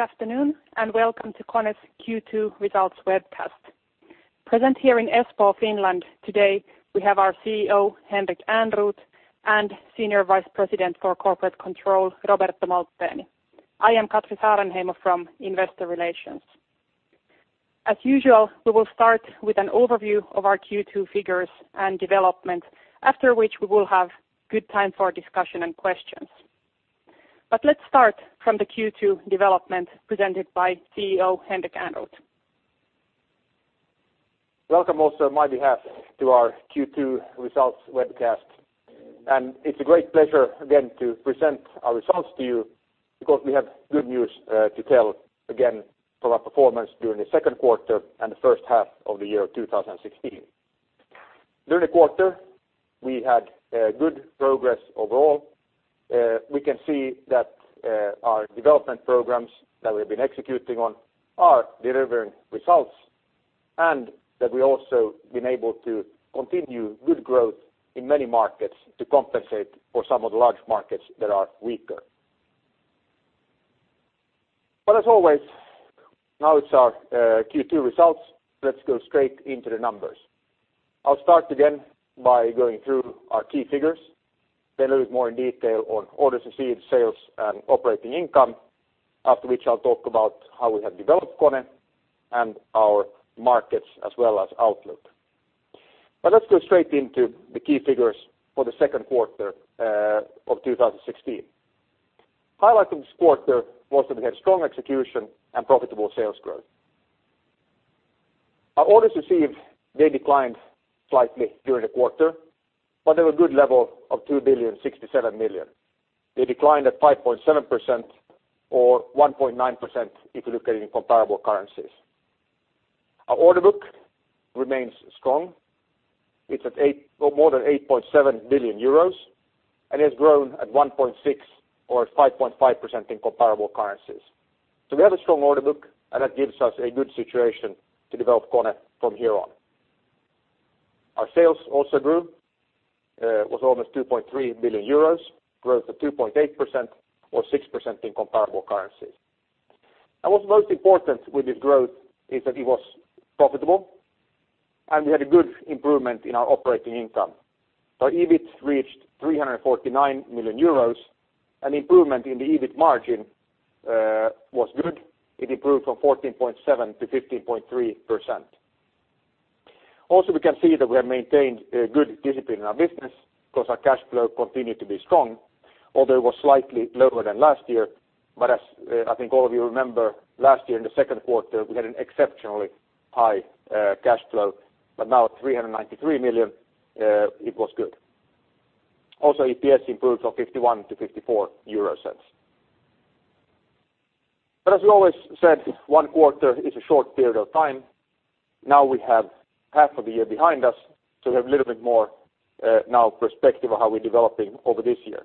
Good afternoon, welcome to KONE's Q2 results webcast. Present here in Espoo, Finland today we have our CEO, Henrik Ehrnrooth, and Senior Vice President for Corporate Controller, Roberto Molteni. I am Katri Saarenheimo from Investor Relations. As usual, we will start with an overview of our Q2 figures and development, after which we will have good time for discussion and questions. Let's start from the Q2 development presented by CEO Henrik Ehrnrooth. Welcome also on my behalf to our Q2 results webcast. It's a great pleasure again to present our results to you because we have good news to tell again from our performance during the second quarter and the first half of the year 2016. During the quarter, we had good progress overall. We can see that our development programs that we've been executing on are delivering results, and that we have also been able to continue good growth in many markets to compensate for some of the large markets that are weaker. As always, now it's our Q2 results, let's go straight into the numbers. I'll start again by going through our key figures, then a little bit more in detail on orders received, sales, and operating income. After which I'll talk about how we have developed KONE and our markets as well as outlook. Let's go straight into the key figures for the second quarter of 2016. Highlight of this quarter was that we had strong execution and profitable sales growth. Our orders received, they declined slightly during the quarter, but they were good level of 2,067,000,000. They declined at 5.7% or 1.9% if you look at it in comparable currencies. Our order book remains strong. It's at more than 8.7 billion euros and has grown at 1.6% or 5.5% in comparable currencies. We have a strong order book, and that gives us a good situation to develop KONE from here on. Our sales also grew, was almost 2.3 billion euros, growth of 2.8% or 6% in comparable currencies. What's most important with this growth is that it was profitable and we had a good improvement in our operating income. Our EBIT reached 349 million euros, an improvement in the EBIT margin was good. It improved from 14.7% to 15.3%. Also, we can see that we have maintained good discipline in our business because our cash flow continued to be strong. Although it was slightly lower than last year, as I think all of you remember, last year in the second quarter, we had an exceptionally high cash flow. Now at 393 million, it was good. Also, EPS improved from 0.51 to 0.54. As we always said, one quarter is a short period of time. Now we have half of the year behind us, we have a little bit more now perspective of how we're developing over this year.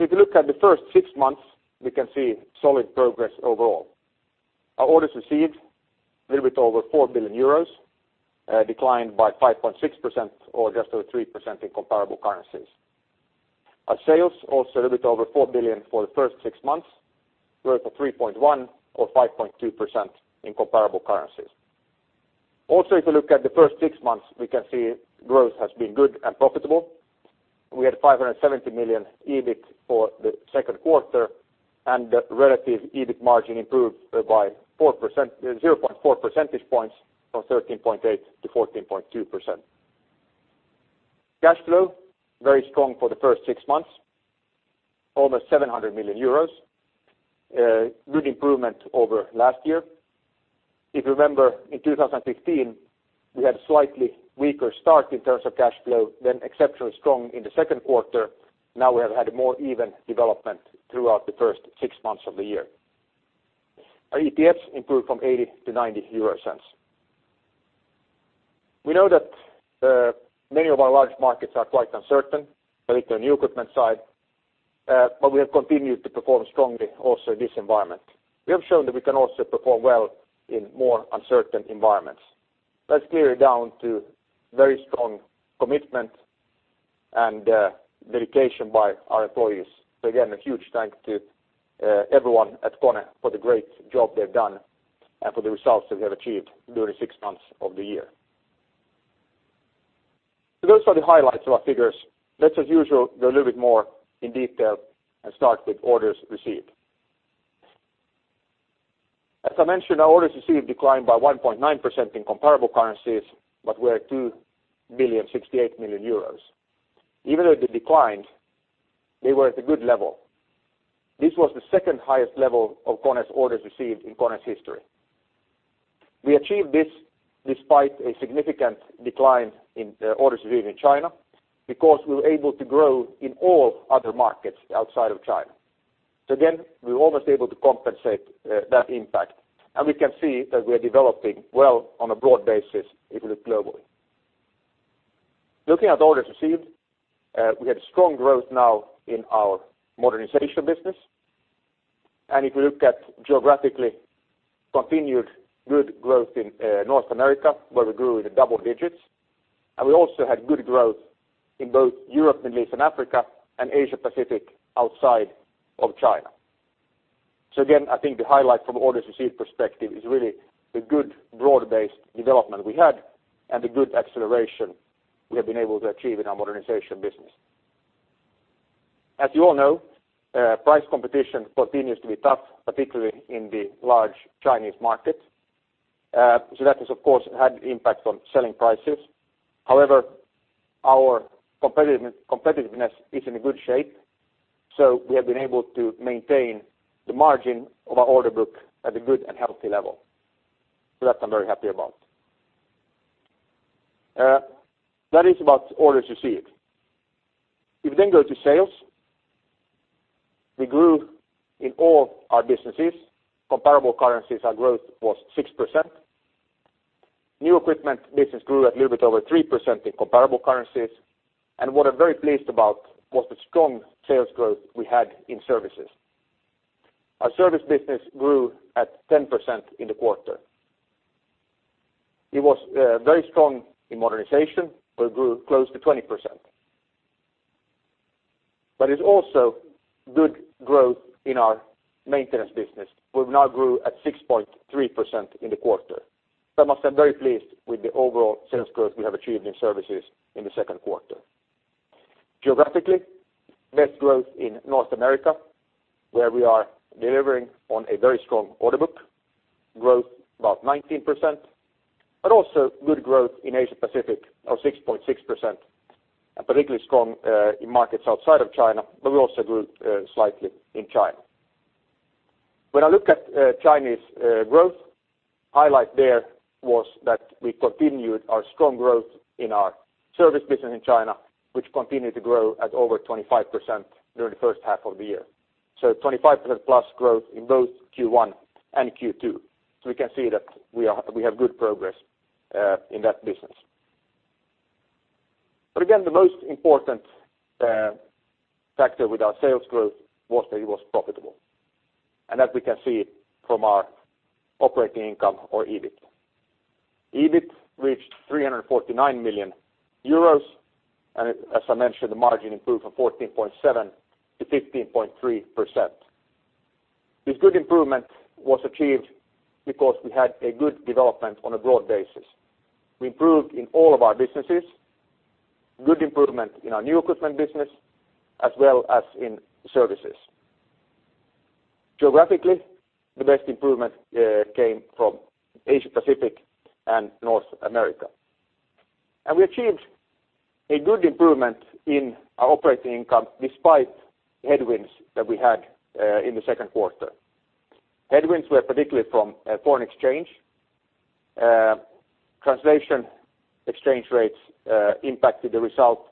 If you look at the first six months, we can see solid progress overall. Our orders received a little bit over 4 billion euros, declined by 5.6% or just over 3% in comparable currencies. Our sales also a little bit over 4 billion for the first six months, growth of 3.1% or 5.2% in comparable currencies. If you look at the first six months, we can see growth has been good and profitable. We had 570 million EBIT for the first six months and relative EBIT margin improved by 0.4 percentage points from 13.8%-14.2%. Cash flow, very strong for the first six months, almost 700 million euros. Good improvement over last year. If you remember, in 2015, we had slightly weaker start in terms of cash flow, then exceptionally strong in the second quarter. Now we have had more even development throughout the first six months of the year. Our EPS improved from 0.80 to 0.90. We know that many of our large markets are quite uncertain, at least on the new equipment side, but we have continued to perform strongly also in this environment. We have shown that we can also perform well in more uncertain environments. That's clearly down to very strong commitment and dedication by our employees. Again, a huge thank to everyone at KONE for the great job they've done and for the results that we have achieved during six months of the year. Those are the highlights of our figures. Let's as usual, go a little bit more in detail and start with orders received. As I mentioned, our orders received declined by 1.9% in comparable currencies, but we were at 2,068,000,000 euros. Even though they declined, they were at a good level. This was the second highest level of KONE's orders received in KONE's history. We achieved this despite a significant decline in orders received in China because we were able to grow in all other markets outside of China. Again, we were almost able to compensate that impact, and we can see that we are developing well on a broad basis if you look globally. Looking at orders received, we had strong growth now in our modernization business, and if you look at geographically, continued good growth in North America, where we grew in the double digits. We also had good growth in both Europe, Middle East and Africa, and Asia Pacific outside of China. Again, I think the highlight from orders received perspective is really the good broad-based development we had and the good acceleration we have been able to achieve in our modernization business. As you all know, price competition continues to be tough, particularly in the large Chinese market. That has, of course, had impact on selling prices. However, our competitiveness is in a good shape, so we have been able to maintain the margin of our order book at a good and healthy level. That I'm very happy about. That is about orders received. If we then go to sales, we grew in all our businesses. Comparable currencies, our growth was 6%. New equipment business grew a little bit over 3% in comparable currencies. What I'm very pleased about was the strong sales growth we had in services. Our service business grew at 10% in the quarter. It was very strong in modernization, where it grew close to 20%. It is also good growth in our maintenance business, where we now grew at 6.3% in the quarter. I must say, I'm very pleased with the overall sales growth we have achieved in services in the second quarter. Geographically, best growth in North America, where we are delivering on a very strong order book. Growth about 19%, but also good growth in Asia Pacific of 6.6%. Particularly strong in markets outside of China, but we also grew slightly in China. When I look at Chinese growth, highlight there was that we continued our strong growth in our service business in China, which continued to grow at over 25% during the first half of the year. 25% plus growth in both Q1 and Q2. We can see that we have good progress in that business. Again, the most important factor with our sales growth was that it was profitable, and that we can see from our operating income or EBIT. EBIT reached 349 million euros, as I mentioned, the margin improved from 14.7% to 15.3%. This good improvement was achieved because we had a good development on a broad basis. We improved in all of our businesses, good improvement in our new equipment business, as well as in services. Geographically, the best improvement came from Asia Pacific and North America. We achieved a good improvement in our operating income despite headwinds that we had in the second quarter. Headwinds were particularly from foreign exchange. Translation exchange rates impacted the result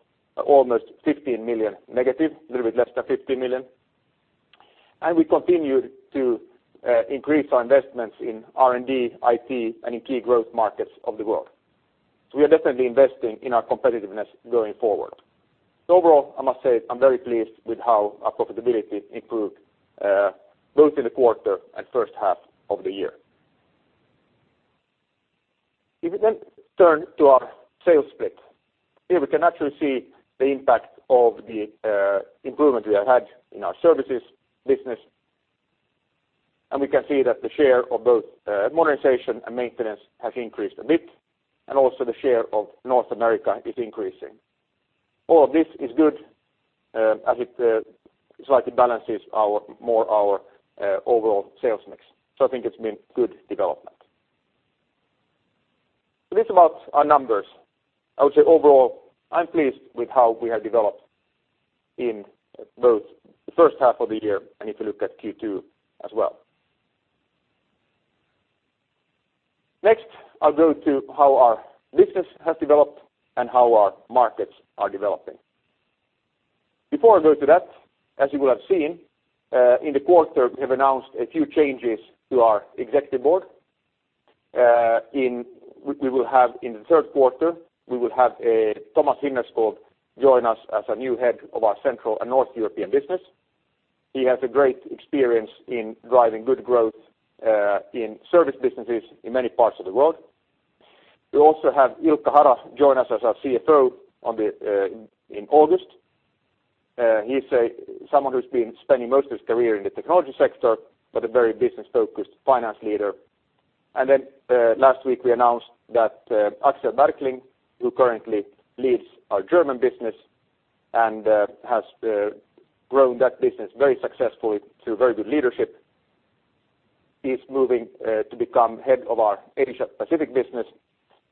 almost 15 million negative, a little bit less than 15 million. We continued to increase our investments in R&D, IT and in key growth markets of the world. We are definitely investing in our competitiveness going forward. Overall, I must say, I'm very pleased with how our profitability improved both in the quarter and first half of the year. If we then turn to our sales split. Here we can actually see the impact of the improvement we have had in our services business, we can see that the share of both modernization and maintenance has increased a bit, also the share of North America is increasing. All of this is good as it slightly balances more our overall sales mix. I think it's been good development. This is about our numbers. I would say overall, I'm pleased with how we have developed in both the first half of the year and if you look at Q2 as well. Next, I'll go to how our business has developed and how our markets are developing. Before I go to that, as you will have seen, in the quarter we have announced a few changes to our executive board. We will have in the third quarter, we will have Thomas Hinnerskov join us as a new head of our Central and North European business. He has a great experience in driving good growth in service businesses in many parts of the world. We also have Ilkka Hara join us as our CFO in August. He's someone who's been spending most of his career in the technology sector, but a very business-focused finance leader. Last week we announced that Axel Berkling, who currently leads our German business and has grown that business very successfully through very good leadership, is moving to become head of our Asia Pacific business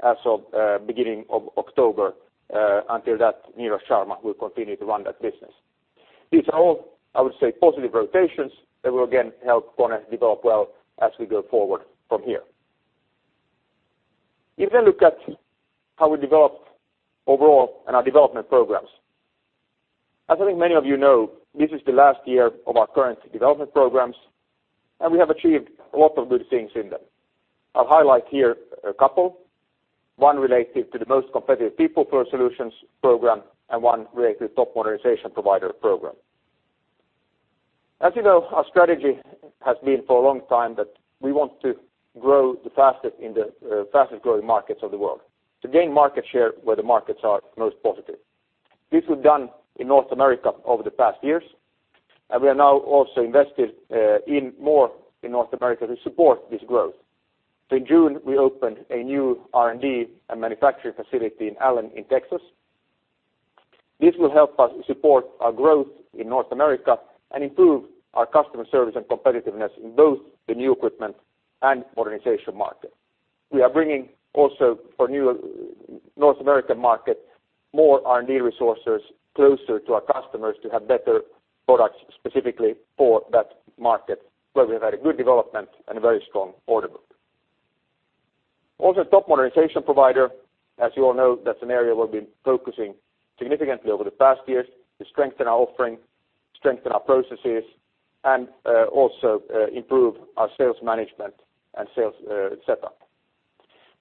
as of beginning of October. Until that, Neeraj Sharma will continue to run that business. These are all, I would say, positive rotations that will again help KONE develop well as we go forward from here. If we look at how we developed overall and our development programs. As I think many of you know, this is the last year of our current development programs, and we have achieved a lot of good things in them. I will highlight here a couple. One related to the most competitive people flow solutions program and one related to top modernization provider program. As you know, our strategy has been for a long time that we want to grow the fastest in the fastest-growing markets of the world, to gain market share where the markets are most positive. This we have done in North America over the past years, and we are now also invested more in North America to support this growth. In June, we opened a new R&D and manufacturing facility in Allen in Texas. This will help us support our growth in North America and improve our customer service and competitiveness in both the new equipment and modernization market. We are bringing also for new North American market, more R&D resources closer to our customers to have better products specifically for that market, where we have had a good development and a very strong order book. Also, top modernization provider, as you all know, that is an area we have been focusing significantly over the past years to strengthen our offering, strengthen our processes, and also improve our sales management and sales setup.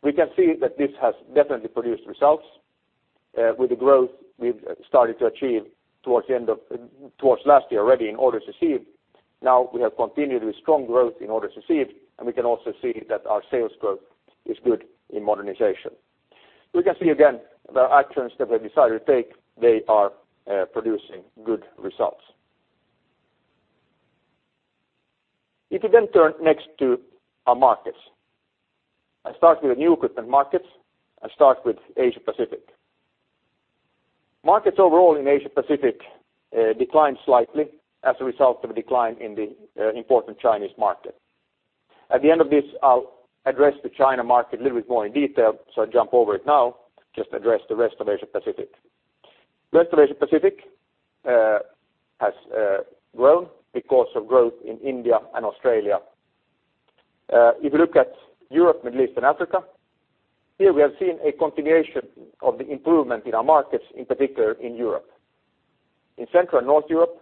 We can see that this has definitely produced results. With the growth we have started to achieve towards last year already in orders received. We have continued with strong growth in orders received, and we can also see that our sales growth is good in modernization. We can see again, the actions that we have decided to take, they are producing good results. If you then turn next to our markets, I start with the new equipment markets. I start with Asia Pacific. Markets overall in Asia Pacific declined slightly as a result of a decline in the important Chinese market. At the end of this, I will address the China market a little bit more in detail, so I will jump over it now. Just address the rest of Asia Pacific. Rest of Asia Pacific has grown because of growth in India and Australia. If you look at Europe, Middle East, and Africa, here we are seeing a continuation of the improvement in our markets, in particular in Europe. In Central and North Europe,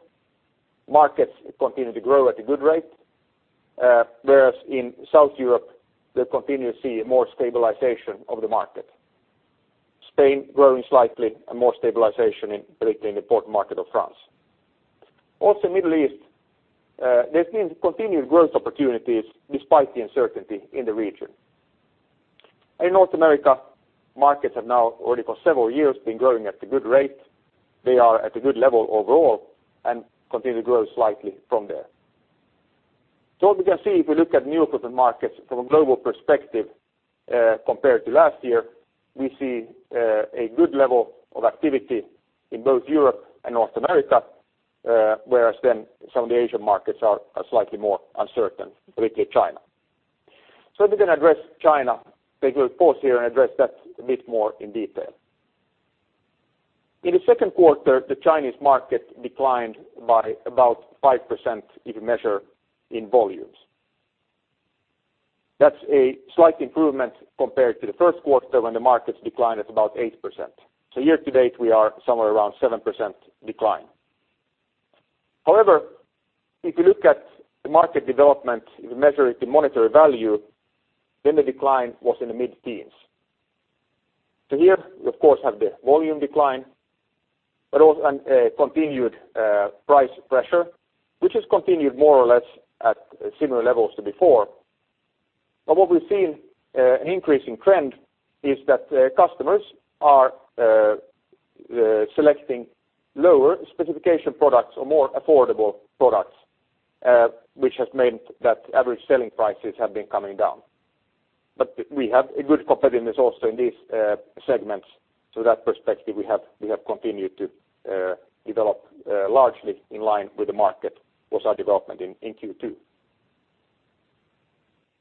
markets continue to grow at a good rate, whereas in South Europe, we continue to see more stabilization of the market. Spain growing slightly and more stabilization in particularly the important market of France. Also Middle East, there has been continued growth opportunities despite the uncertainty in the region. In North America, markets have now already for several years been growing at a good rate. They are at a good level overall and continue to grow slightly from there. We can see if we look at new equipment markets from a global perspective, compared to last year, we see a good level of activity in both Europe and North America. Whereas then some of the Asian markets are slightly more uncertain, particularly China. Let me then address China. Take a pause here and address that a bit more in detail. In the second quarter, the Chinese market declined by about 5% if you measure in volumes. That's a slight improvement compared to the first quarter when the markets declined at about 8%. Year to date, we are somewhere around 7% decline. If you look at the market development, if you measure it in monetary value, then the decline was in the mid-teens. Here we of course have the volume decline, but also a continued price pressure, which has continued more or less at similar levels to before. What we've seen an increase in trend is that customers are selecting lower specification products or more affordable products, which has meant that average selling prices have been coming down. We have a good competitiveness also in these segments. That perspective we have continued to develop largely in line with the market was our development in Q2.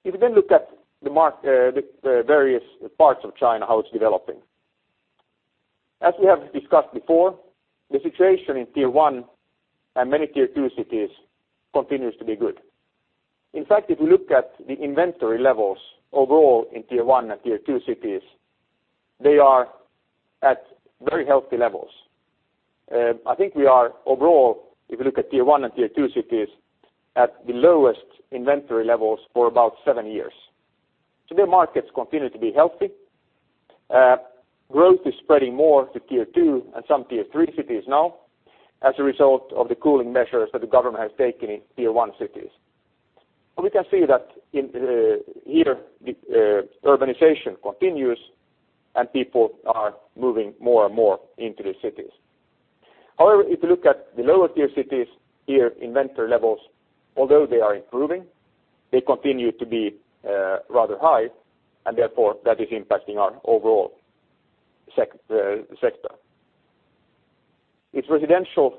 Looking at the various parts of China, how it's developing. As we have discussed before, the situation in Tier 1 and many Tier 2 cities continues to be good. In fact, if you look at the inventory levels overall in Tier 1 and Tier 2 cities, they are at very healthy levels. I think we are overall, if you look at Tier 1 and Tier 2 cities, at the lowest inventory levels for about seven years. Their markets continue to be healthy. Growth is spreading more to Tier 2 and some Tier 3 cities now as a result of the cooling measures that the government has taken in Tier 1 cities. We can see that here the urbanization continues, and people are moving more and more into the cities. If you look at the lower tier cities, here inventory levels, although they are improving, they continue to be rather high, and therefore that is impacting our overall sector. It's the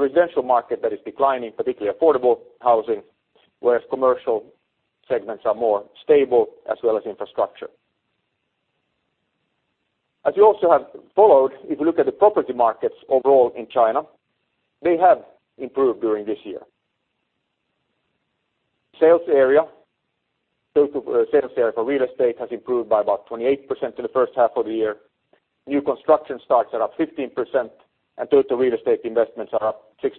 residential market that is declining, particularly affordable housing, whereas commercial segments are more stable as well as infrastructure. As you also have followed, if you look at the property markets overall in China, they have improved during this year. Total sales area for real estate has improved by about 28% in the first half of the year. New construction starts are up 15% and total real estate investments are up 6%.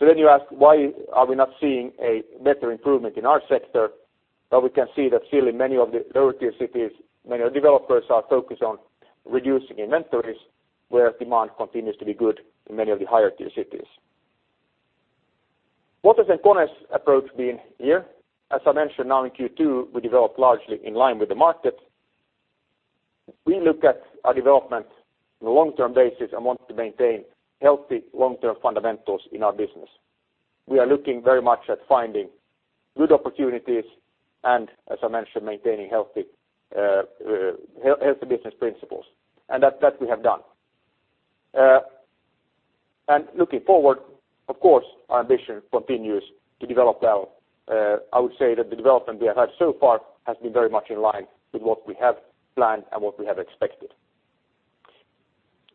You ask, why are we not seeing a better improvement in our sector? We can see that still in many of the lower tier cities, many of the developers are focused on reducing inventories where demand continues to be good in many of the higher tier cities. What has KONE's approach been here? As I mentioned, now in Q2, we developed largely in line with the market. We look at our development from a long-term basis and want to maintain healthy long-term fundamentals in our business. We are looking very much at finding good opportunities and, as I mentioned, maintaining healthy business principles, and that we have done. Looking forward, of course, our ambition continues to develop well. I would say that the development we have had so far has been very much in line with what we have planned and what we have expected.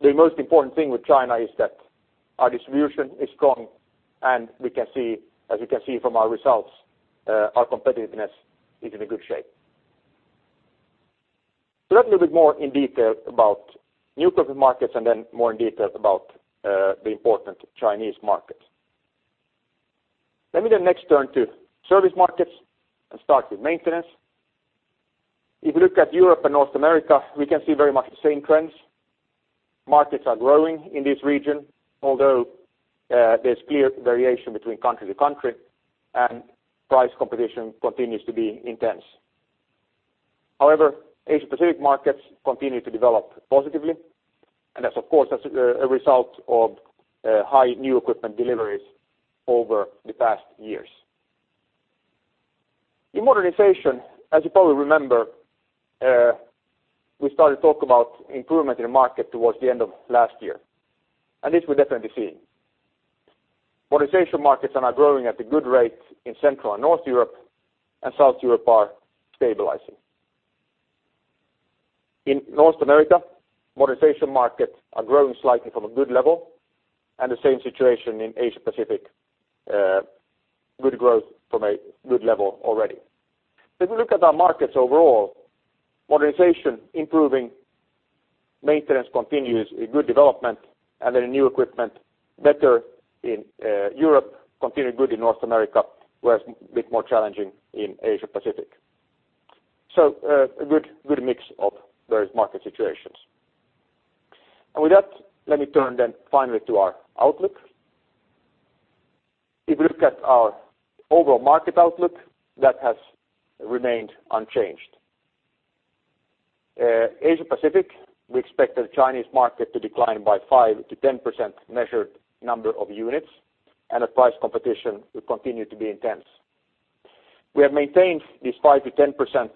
The most important thing with China is that our distribution is strong, and as you can see from our results, our competitiveness is in a good shape. Let me be more in detail about new equipment markets. Then more in detail about the important Chinese market. Let me next turn to service markets and start with maintenance. If you look at Europe and North America, we can see very much the same trends. Markets are growing in this region, although there's clear variation between country to country, and price competition continues to be intense. However, Asia-Pacific markets continue to develop positively, and that's of course, as a result of high new equipment deliveries over the past years. In modernization, as you probably remember, we started to talk about improvement in the market towards the end of last year. This we're definitely seeing. Modernization markets are now growing at a good rate in Central and North Europe. South Europe are stabilizing. In North America, modernization markets are growing slightly from a good level, and the same situation in Asia-Pacific, good growth from a good level already. If we look at our markets overall, modernization improving, maintenance continues a good development. New equipment better in Europe, continue good in North America, whereas a bit more challenging in Asia-Pacific. A good mix of various market situations. With that, let me turn finally to our outlook. If we look at our overall market outlook, that has remained unchanged. In Asia-Pacific, we expect the Chinese market to decline by 5%-10% measured number of units. That price competition will continue to be intense. We have maintained this 5%-10%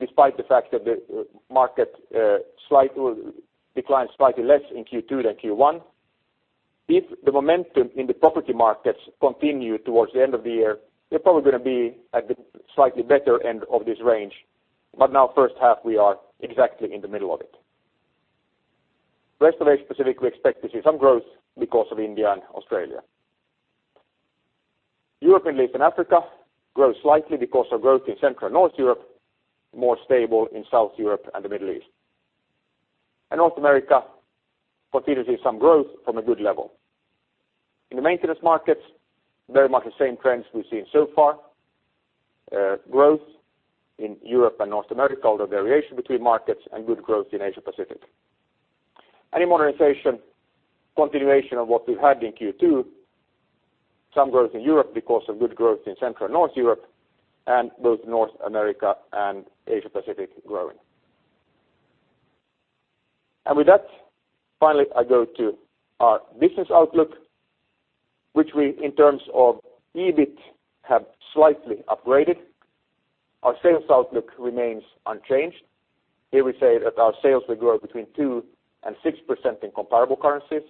despite the fact that the market declined slightly less in Q2 than Q1. If the momentum in the property markets continue towards the end of the year, they're probably going to be at the slightly better end of this range. But now first half, we are exactly in the middle of it. Rest of Asia-Pacific, we expect to see some growth because of India and Australia. Europe, Middle East, and Africa grow slightly because of growth in Central and North Europe, more stable in South Europe and the Middle East. North America continue to see some growth from a good level. In the maintenance markets, very much the same trends we've seen so far. Growth in Europe and North America, although variation between markets, and good growth in Asia-Pacific. In modernization, continuation of what we've had in Q2. Some growth in Europe because of good growth in Central and North Europe, and both North America and Asia-Pacific growing. With that, finally, I go to our business outlook, which we, in terms of EBIT, have slightly upgraded. Our sales outlook remains unchanged. Here we say that our sales will grow between 2% and 6% in comparable currencies.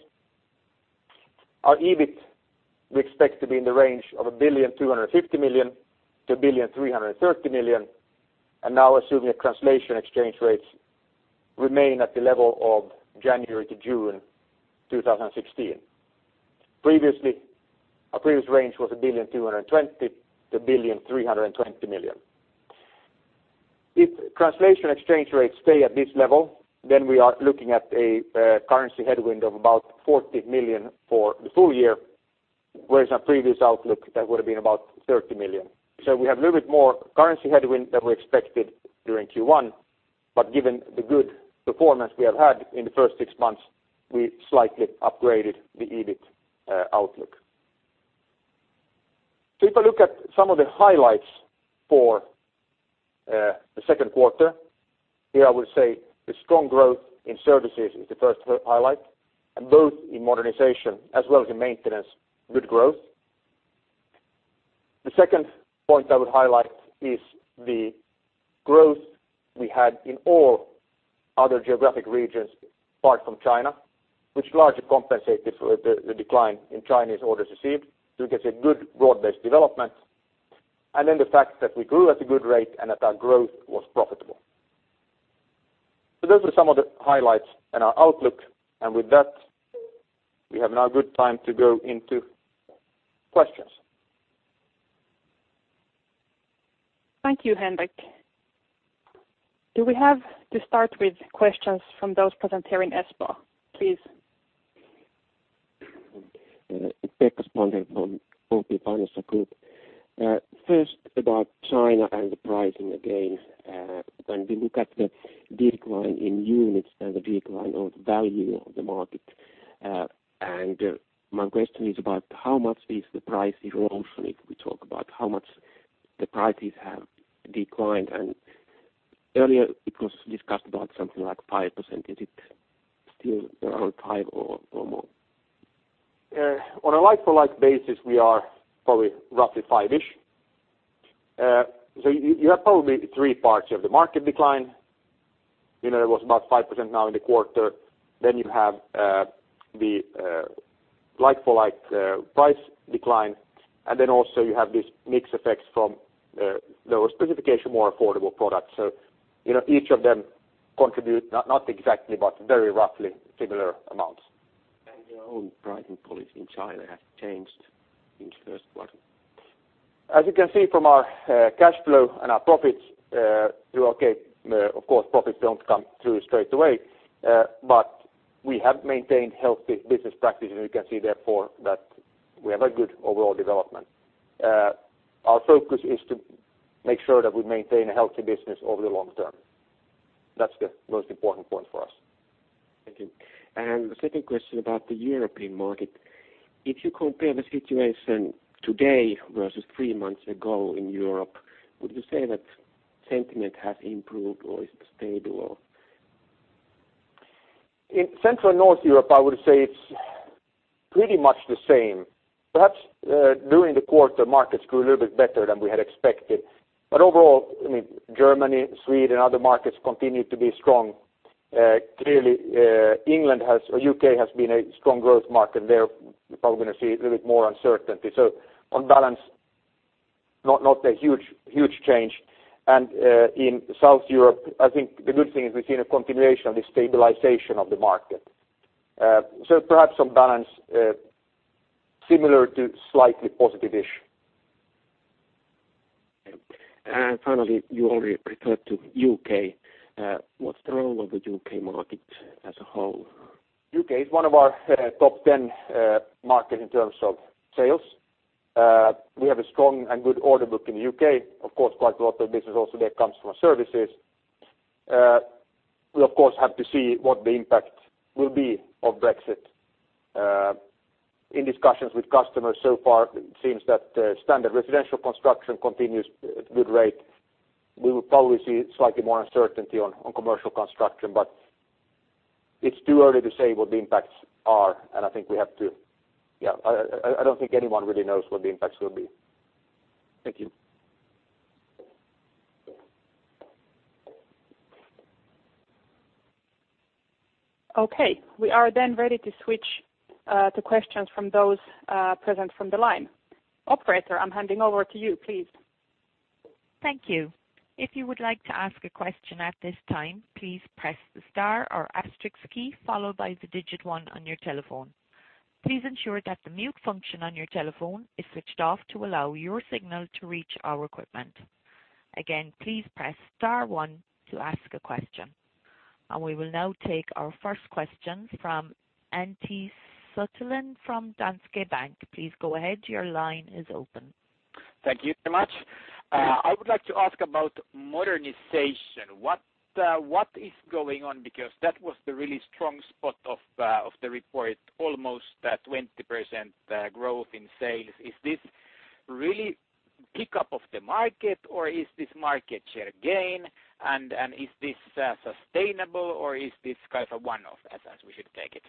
Our EBIT we expect to be in the range of 1,250,000,000-1,330,000,000, and now assuming the translation exchange rates remain at the level of January-June 2016. Our previous range was 1,220,000,000-1,320,000,000. If translation exchange rates stay at this level, then we are looking at a currency headwind of about 40 million for the full year, whereas our previous outlook, that would have been about 30 million. We have a little bit more currency headwind than we expected during Q1, but given the good performance we have had in the first six months, we slightly upgraded the EBIT outlook. If I look at some of the highlights for the second quarter, here I would say the strong growth in services is the first highlight, both in modernization as well as in maintenance, good growth. The second point I would highlight is the growth we had in all other geographic regions apart from China, which largely compensated for the decline in Chinese orders received. We can say good broad-based development. The fact that we grew at a good rate and that our growth was profitable. Those are some of the highlights and our outlook. With that, we have now good time to go into questions. Thank you, Henrik. Do we have to start with questions from those present here in Espoo, please? Pekka Sponder from OP Financial Group. First, about China and the pricing again. When we look at the decline in units and the decline of the value of the market, my question is about how much is the price erosion, if we talk about how much the prices have declined. Earlier it was discussed about something like 5%. Is it still around 5% or more? On a like-for-like basis, we are probably roughly five-ish. You have probably three parts of the market decline. It was about 5% now in the quarter. You have the like-for-like price decline, also you have these mix effects from lower specification, more affordable products. Each of them contribute, not exactly, but very roughly similar amounts. Your own pricing policy in China has changed in the first quarter? As you can see from our cash flow and our profits, of course, profits don't come through straight away. We have maintained healthy business practices, and you can see therefore that we have a good overall development. Our focus is to make sure that we maintain a healthy business over the long term. That's the most important point for us. Thank you. The second question about the European market. If you compare the situation today versus three months ago in Europe, would you say that sentiment has improved or is it stable? In Central and North Europe, I would say it's pretty much the same. Perhaps during the quarter, markets grew a little bit better than we had expected. Overall, Germany, Sweden, other markets continued to be strong. Clearly, U.K. has been a strong growth market. There, we're probably going to see a little bit more uncertainty. On balance, not a huge change. In South Europe, I think the good thing is we've seen a continuation of the stabilization of the market. Perhaps on balance similar to slightly positive-ish. Finally, you already referred to U.K. What's the role of the U.K. market as a whole? U.K. is one of our top 10 markets in terms of sales. We have a strong and good order book in the U.K. Of course, quite a lot of business also there comes from services. We, of course, have to see what the impact will be of Brexit. In discussions with customers so far, it seems that standard residential construction continues at good rate. We will probably see slightly more uncertainty on commercial construction, but it's too early to say what the impacts are. I don't think anyone really knows what the impacts will be. Thank you. Okay. We are then ready to switch to questions from those present from the line. Operator, I'm handing over to you, please. Thank you. If you would like to ask a question at this time, please press the star or asterisk key followed by the digit 1 on your telephone. Please ensure that the mute function on your telephone is switched off to allow your signal to reach our equipment. Again, please press star 1 to ask a question. We will now take our first question from Antti Suttelin from Danske Bank. Please go ahead, your line is open. Thank you very much. I would like to ask about modernization. What is going on? That was the really strong spot of the report, almost 20% growth in sales. Is this really pick up of the market or is this market share gain? Is this sustainable or is this kind of a one-off as we should take it?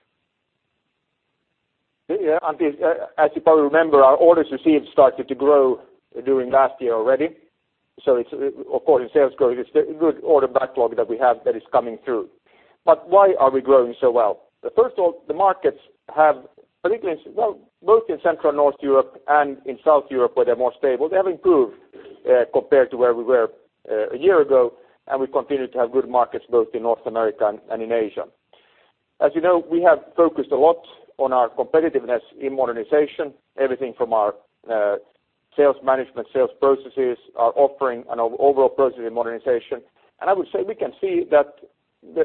Antti, as you probably remember, our orders received started to grow during last year already. Of course, in sales growth, it's the good order backlog that we have that is coming through. Why are we growing so well? First of all, the markets have, both in Central and North Europe and in South Europe where they're more stable, they have improved compared to where we were a year ago, and we continue to have good markets both in North America and in Asia. As you know, we have focused a lot on our competitiveness in modernization, everything from our sales management, sales processes, our offering and our overall approach in modernization. I would say, we can see that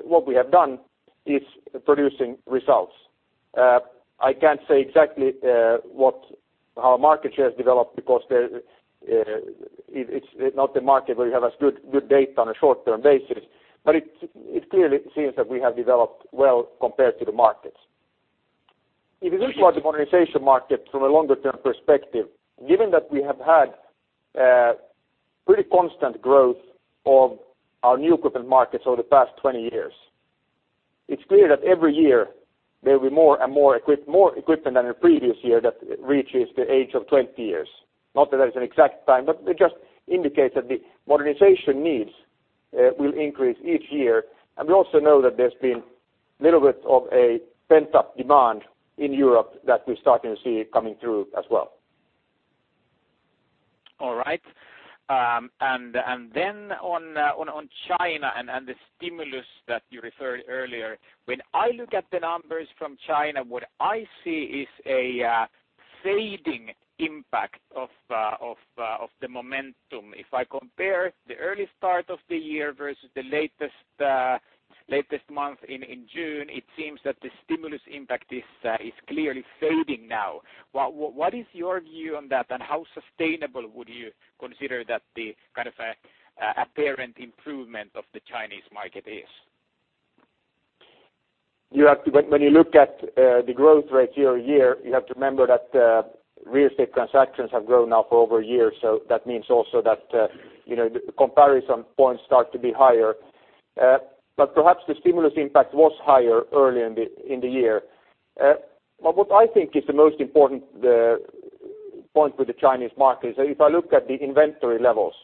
what we have done is producing results. I can't say exactly how our market share has developed because it's not the market where you have as good data on a short-term basis, but it clearly seems that we have developed well compared to the markets. If you look at the modernization market from a longer-term perspective, given that we have had pretty constant growth of our new equipment markets over the past 20 years, it's clear that every year there will be more equipment than the previous year that reaches the age of 20 years. Not that that is an exact time, but it just indicates that the modernization needs will increase each year. We also know that there's been a little bit of a pent-up demand in Europe that we're starting to see coming through as well. All right. On China and the stimulus that you referred earlier, when I look at the numbers from China, what I see is a fading impact of the momentum. If I compare the early start of the year versus the latest month in June, it seems that the stimulus impact is clearly fading now. What is your view on that, and how sustainable would you consider that the kind of apparent improvement of the Chinese market is? When you look at the growth rate year-over-year, you have to remember that real estate transactions have grown now for over a year. That means also that the comparison points start to be higher. Perhaps the stimulus impact was higher earlier in the year. What I think is the most important point with the Chinese market is that if I look at the inventory levels,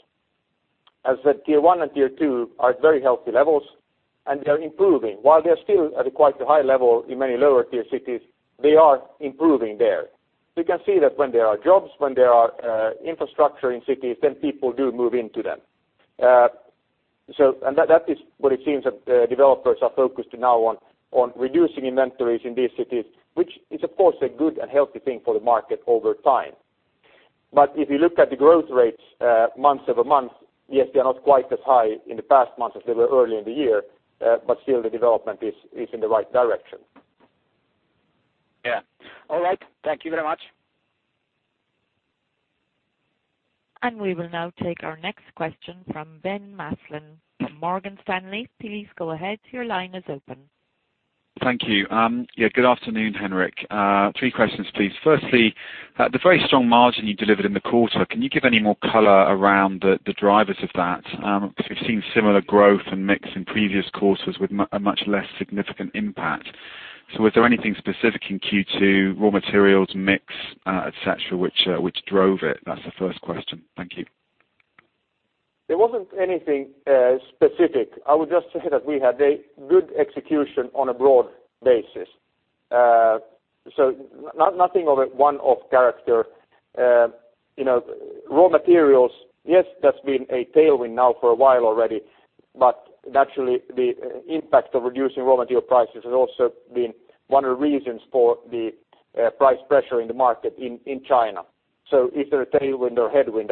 as the tier 1 and tier 2 are at very healthy levels, and they're improving. While they're still at a quite a high level in many lower-tier cities, they are improving there. We can see that when there are jobs, when there are infrastructure in cities, then people do move into them. That is what it seems that developers are focused now on reducing inventories in these cities, which is, of course, a good and healthy thing for the market over time. If you look at the growth rates month-over-month, yes, they are not quite as high in the past month as they were early in the year. Still the development is in the right direction. Yeah. All right. Thank you very much. We will now take our next question from Ben Maslen from Morgan Stanley. Please go ahead. Your line is open. Thank you. Good afternoon, Henrik. Three questions, please. Firstly, the very strong margin you delivered in the quarter, can you give any more color around the drivers of that? We've seen similar growth and mix in previous quarters with a much less significant impact. Was there anything specific in Q2, raw materials, mix, et cetera, which drove it? That's the first question. Thank you. There wasn't anything specific. I would just say that we had a good execution on a broad basis. Nothing of a one-off character. Raw materials, yes, that's been a tailwind now for a while already, naturally the impact of reducing raw material prices has also been one of the reasons for the price pressure in the market in China. Is it a tailwind or headwind?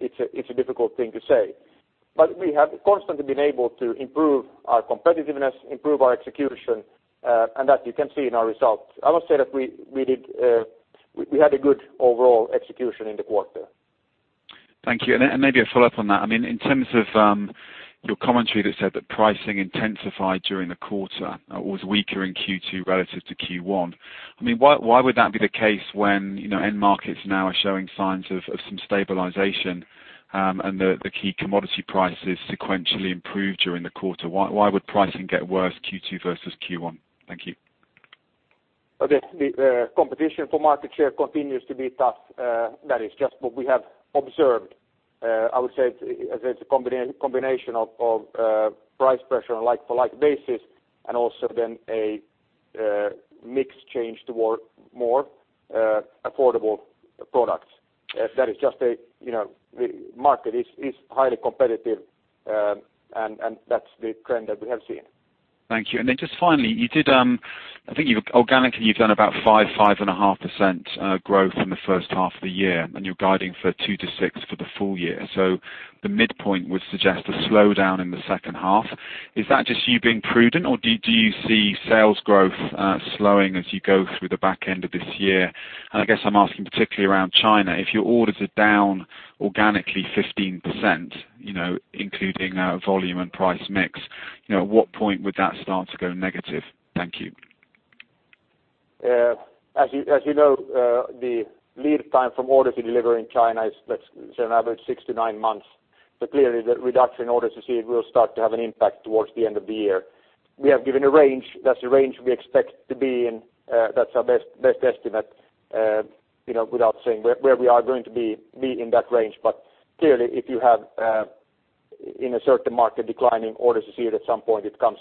It's a difficult thing to say. We have constantly been able to improve our competitiveness, improve our execution, and that you can see in our results. I would say that we had a good overall execution in the quarter. Thank you. Maybe a follow-up on that. In terms of your commentary that said that pricing intensified during the quarter or was weaker in Q2 relative to Q1. Why would that be the case when end markets now are showing signs of some stabilization and the key commodity prices sequentially improved during the quarter? Why would pricing get worse Q2 versus Q1? Thank you. The competition for market share continues to be tough. That is just what we have observed. I would say it's a combination of price pressure on like-for-like basis and also then a mix change toward more affordable products. The market is highly competitive, and that's the trend that we have seen. Thank you. Just finally, I think organically you've done about 5%-5.5% growth in the first half of the year, and you're guiding for 2%-6% for the full year. The midpoint would suggest a slowdown in the second half. Is that just you being prudent, or do you see sales growth slowing as you go through the back end of this year? I guess I'm asking particularly around China. If your orders are down organically 15%, including volume and price mix, at what point would that start to go negative? Thank you. As you know, the lead time from order to deliver in China is let's say on average six to nine months. Clearly the reduction in orders you see will start to have an impact towards the end of the year. We have given a range. That's the range we expect to be in. That's our best estimate, without saying where we are going to be in that range. Clearly, if you have in a certain market declining orders, you see it at some point it comes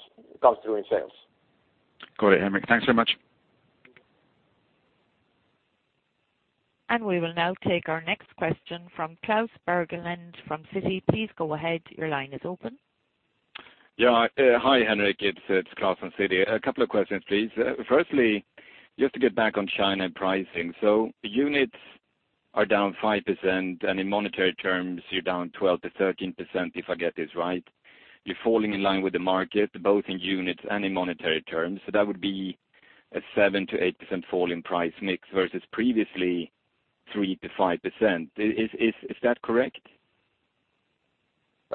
through in sales. Got it, Henrik. Thanks very much. We will now take our next question from Claus Bergelund from Citi. Please go ahead. Your line is open. Yeah. Hi, Henrik. It's Claus from Citi. A couple of questions, please. Firstly, just to get back on China pricing. Units are down 5%, and in monetary terms you're down 12%-13%, if I get this right. You're falling in line with the market both in units and in monetary terms. That would be a 7%-8% fall in price mix versus previously 3%-5%. Is that correct?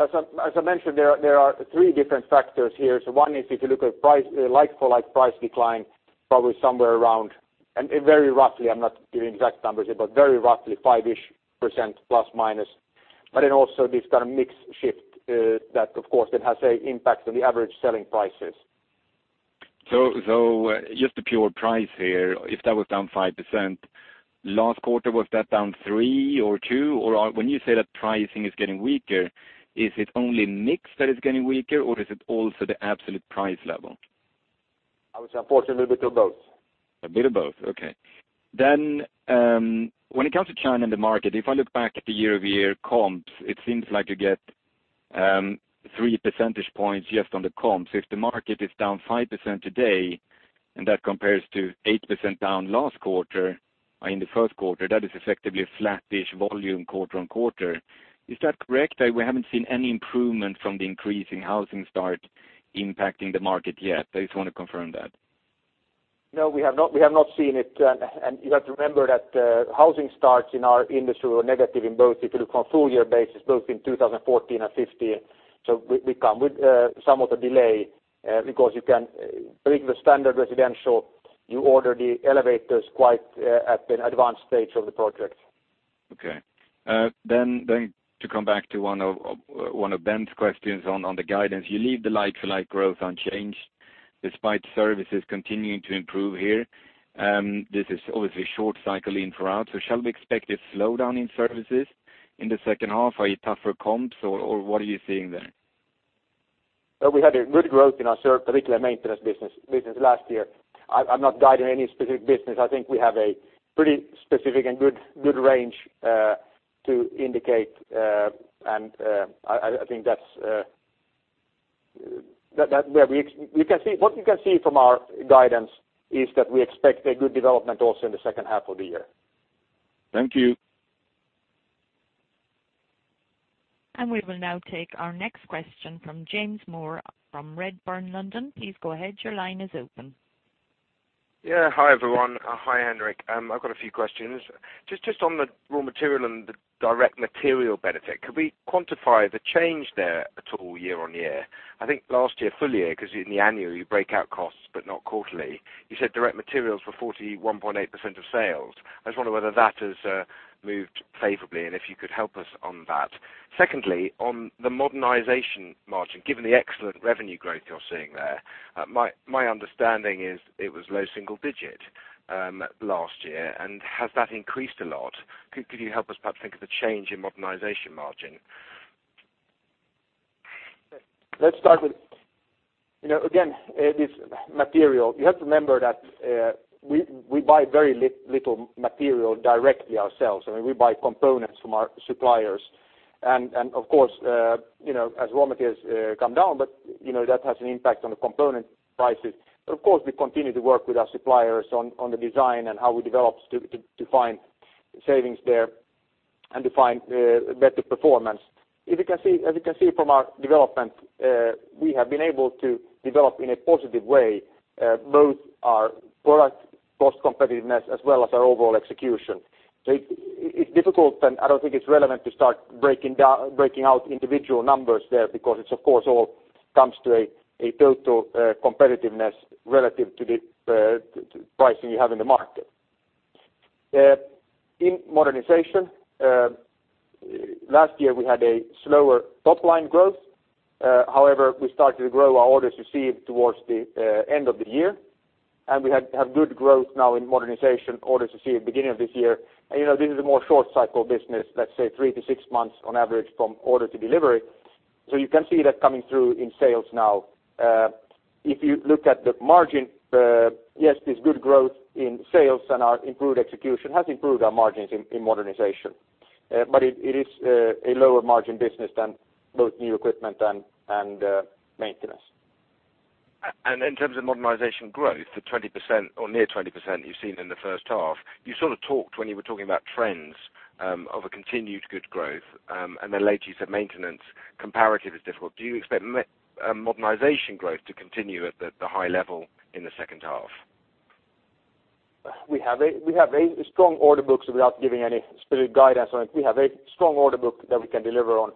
As I mentioned, there are three different factors here. One is if you look at like-for-like price decline, probably somewhere around, and very roughly, I'm not giving exact numbers here, but very roughly 5-ish% plus minus. Then also this kind of mix shift that of course then has an impact on the average selling prices. Just the pure price here, if that was down 5%, last quarter was that down three or two? When you say that pricing is getting weaker, is it only mix that is getting weaker or is it also the absolute price level? I would say unfortunately a bit of both. A bit of both. Okay. When it comes to China and the market, if I look back at the year-over-year comps, it seems like you get three percentage points just on the comps. If the market is down 5% today, and that compares to 8% down last quarter, in the first quarter, that is effectively a flattish volume quarter-on-quarter. Is that correct? We haven't seen any improvement from the increase in housing start impacting the market yet. I just want to confirm that. No, we have not seen it. You have to remember that housing starts in our industry were negative if you look from a full year basis, both in 2014 and 2015. We come with some of the delay, because you can bring the standard residential, you order the elevators quite at an advanced stage of the project. Okay. To come back to one of Ben's questions on the guidance. You leave the like-for-like growth unchanged despite services continuing to improve here. This is obviously a short cycle in for out. Shall we expect a slowdown in services in the second half? Are you tougher comps or what are you seeing there? We had a good growth in our particular maintenance business last year. I'm not guiding any specific business. I think we have a pretty specific and good range to indicate. What you can see from our guidance is that we expect a good development also in the second half of the year. Thank you. We will now take our next question from James Moore from Redburn, London. Please go ahead. Your line is open. Hi, everyone. Hi, Henrik. I've got a few questions. Just on the raw material and the direct material benefit, could we quantify the change there at all year-on-year? I think last year, full year, because in the annual you break out costs but not quarterly, you said direct materials were 41.8% of sales. I just wonder whether that has moved favorably and if you could help us on that. Secondly, on the modernization margin, given the excellent revenue growth you're seeing there, my understanding is it was low single digit last year. Has that increased a lot? Could you help us perhaps think of the change in modernization margin? Let's start with, again, this material. You have to remember that we buy very little material directly ourselves, and we buy components from our suppliers. Of course, as raw materials come down, that has an impact on the component prices. Of course, we continue to work with our suppliers on the design and how we develop to find savings there and to find better performance. As you can see from our development, we have been able to develop in a positive way both our product cost competitiveness as well as our overall execution. It's difficult, and I don't think it's relevant to start breaking out individual numbers there because it of course all comes to a total competitiveness relative to the pricing you have in the market. In modernization, last year we had a slower top-line growth. However, we started to grow our orders received towards the end of the year, and we have good growth now in modernization orders received beginning of this year. This is a more short cycle business, let's say three to six months on average from order to delivery. You can see that coming through in sales now. If you look at the margin, yes, there's good growth in sales, and our improved execution has improved our margins in modernization. It is a lower margin business than both new equipment and maintenance. In terms of modernization growth, the 20% or near 20% you've seen in the first half, you sort of talked when you were talking about trends of a continued good growth. Later you said maintenance comparative is difficult. Do you expect modernization growth to continue at the high level in the second half? We have a strong order book. Without giving any specific guidance on it, we have a strong order book that we can deliver on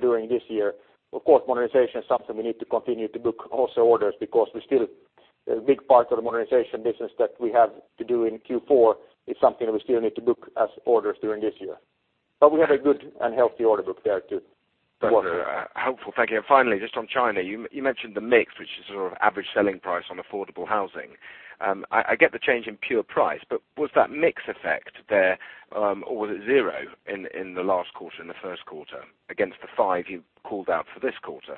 during this year. Of course, modernization is something we need to continue to book also orders because a big part of the modernization business that we have to do in Q4 is something that we still need to book as orders during this year. We have a good and healthy order book there too. Helpful. Thank you. Finally, just on China, you mentioned the mix, which is sort of average selling price on affordable housing. I get the change in pure price, was that mix effect there or was it 0 in the last quarter, in the first quarter against the 5 you called out for this quarter?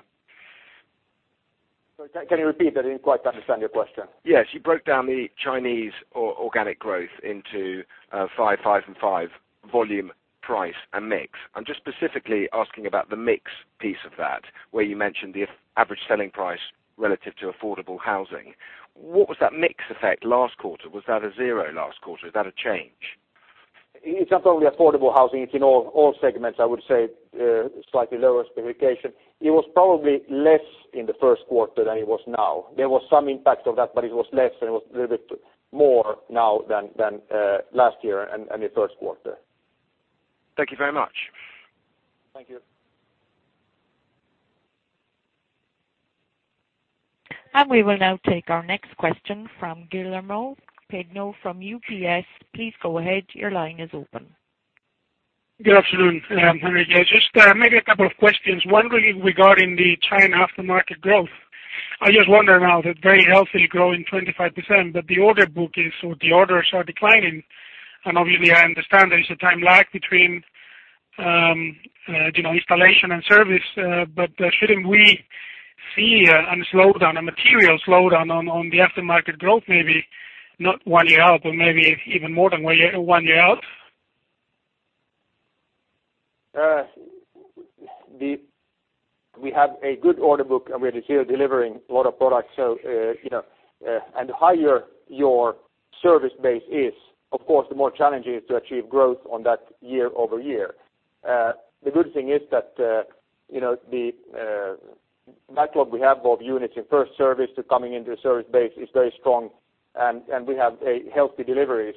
Can you repeat that? I didn't quite understand your question. Yes. You broke down the Chinese organic growth into 5, and 5 volume, price, and mix. Just specifically asking about the mix piece of that, where you mentioned the average selling price relative to affordable housing. What was that mix effect last quarter? Was that a 0 last quarter? Is that a change? It's not only affordable housing, it's in all segments. I would say slightly lower specification. It was probably less in the first quarter than it was now. There was some impact of that, it was less and it was a little bit more now than last year and the first quarter. Thank you very much. Thank you. We will now take our next question from Guillermo Pigno from UBS. Please go ahead. Your line is open. Good afternoon, Henrik. Just maybe a couple of questions. One regarding the China aftermarket growth. I was just wondering how that very healthy growing 25%, but the order book is, so the orders are declining. Obviously I understand there is a time lag between installation and service, but shouldn't we see a material slowdown on the aftermarket growth, maybe not one year out, but maybe even more than one year out? We have a good order book. We're still delivering a lot of products. The higher your service base is, of course, the more challenging it is to achieve growth on that year-over-year. The good thing is that the backlog we have of units in first service to coming into a service base is very strong, and we have healthy deliveries.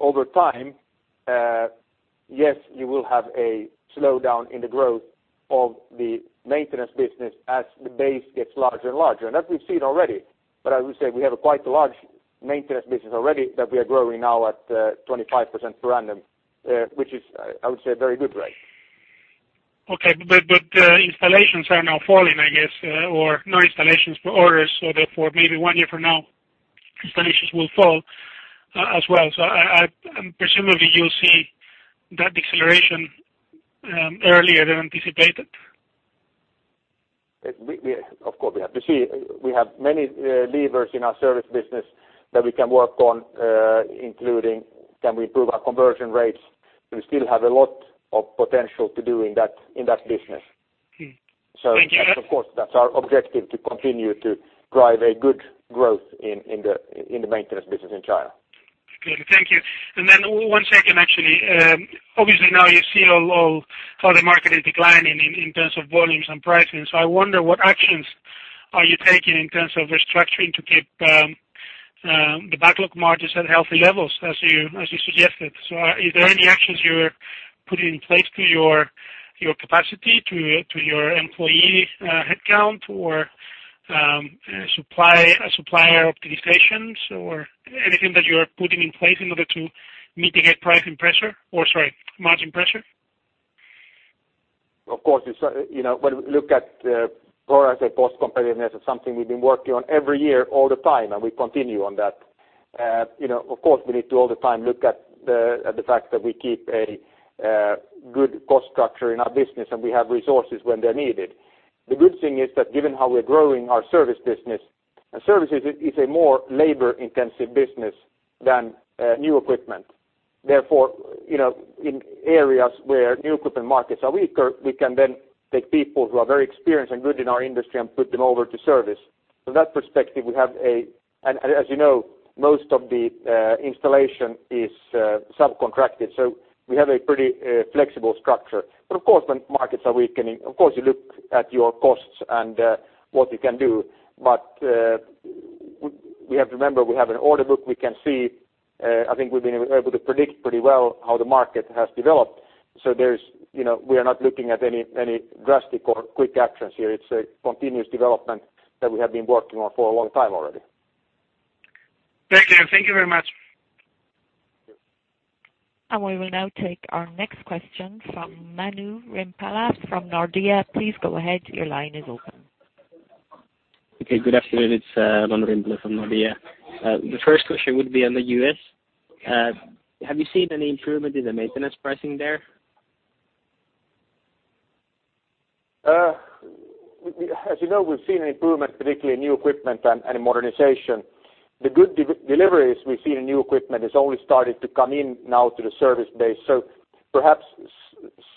Over time, yes, you will have a slowdown in the growth of the maintenance business as the base gets larger and larger. That we've seen already. I would say we have a quite large maintenance business already that we are growing now at 25% per annum, which is, I would say, a very good rate. Okay. Installations are now falling, I guess, or no installations for orders. Therefore, maybe one year from now, installations will fall as well. Presumably, you'll see that deceleration earlier than anticipated? Of course, we have to see. We have many levers in our service business that we can work on, including can we improve our conversion rates. We still have a lot of potential to do in that business. Thank you. Of course, that's our objective to continue to drive a good growth in the maintenance business in China. Good. Thank you. Then one second, actually. Obviously now you see how the market is declining in terms of volumes and pricing. I wonder what actions are you taking in terms of restructuring to keep the backlog margins at healthy levels as you suggested. Are there any actions you're putting in place to your capacity, to your employee headcount or supplier optimizations? Anything that you're putting in place in order to mitigate pricing pressure or, sorry, margin pressure? Of course. When we look at, for us, cost competitiveness is something we've been working on every year, all the time, we continue on that. Of course, we need to all the time look at the fact that we keep a good cost structure in our business and we have resources when they're needed. The good thing is that given how we're growing our service business, and services is a more labor-intensive business than new equipment. Therefore, in areas where new equipment markets are weaker, we can then take people who are very experienced and good in our industry and put them over to service. From that perspective, as you know, most of the installation is subcontracted, so we have a pretty flexible structure. Of course, when markets are weakening, of course you look at your costs and what you can do. We have to remember, we have an order book. We can see, I think we've been able to predict pretty well how the market has developed. We are not looking at any drastic or quick actions here. It's a continuous development that we have been working on for a long time already. Thank you. Thank you very much. We will now take our next question from Manu Rimpelä from Nordea. Please go ahead. Your line is open. Okay. Good afternoon. It's Manu Rimpelä from Nordea. The first question would be on the U.S. Have you seen any improvement in the maintenance pricing there? As you know, we've seen an improvement, particularly in new equipment and in modernization. The good deliveries we've seen in new equipment has only started to come in now to the service base. Perhaps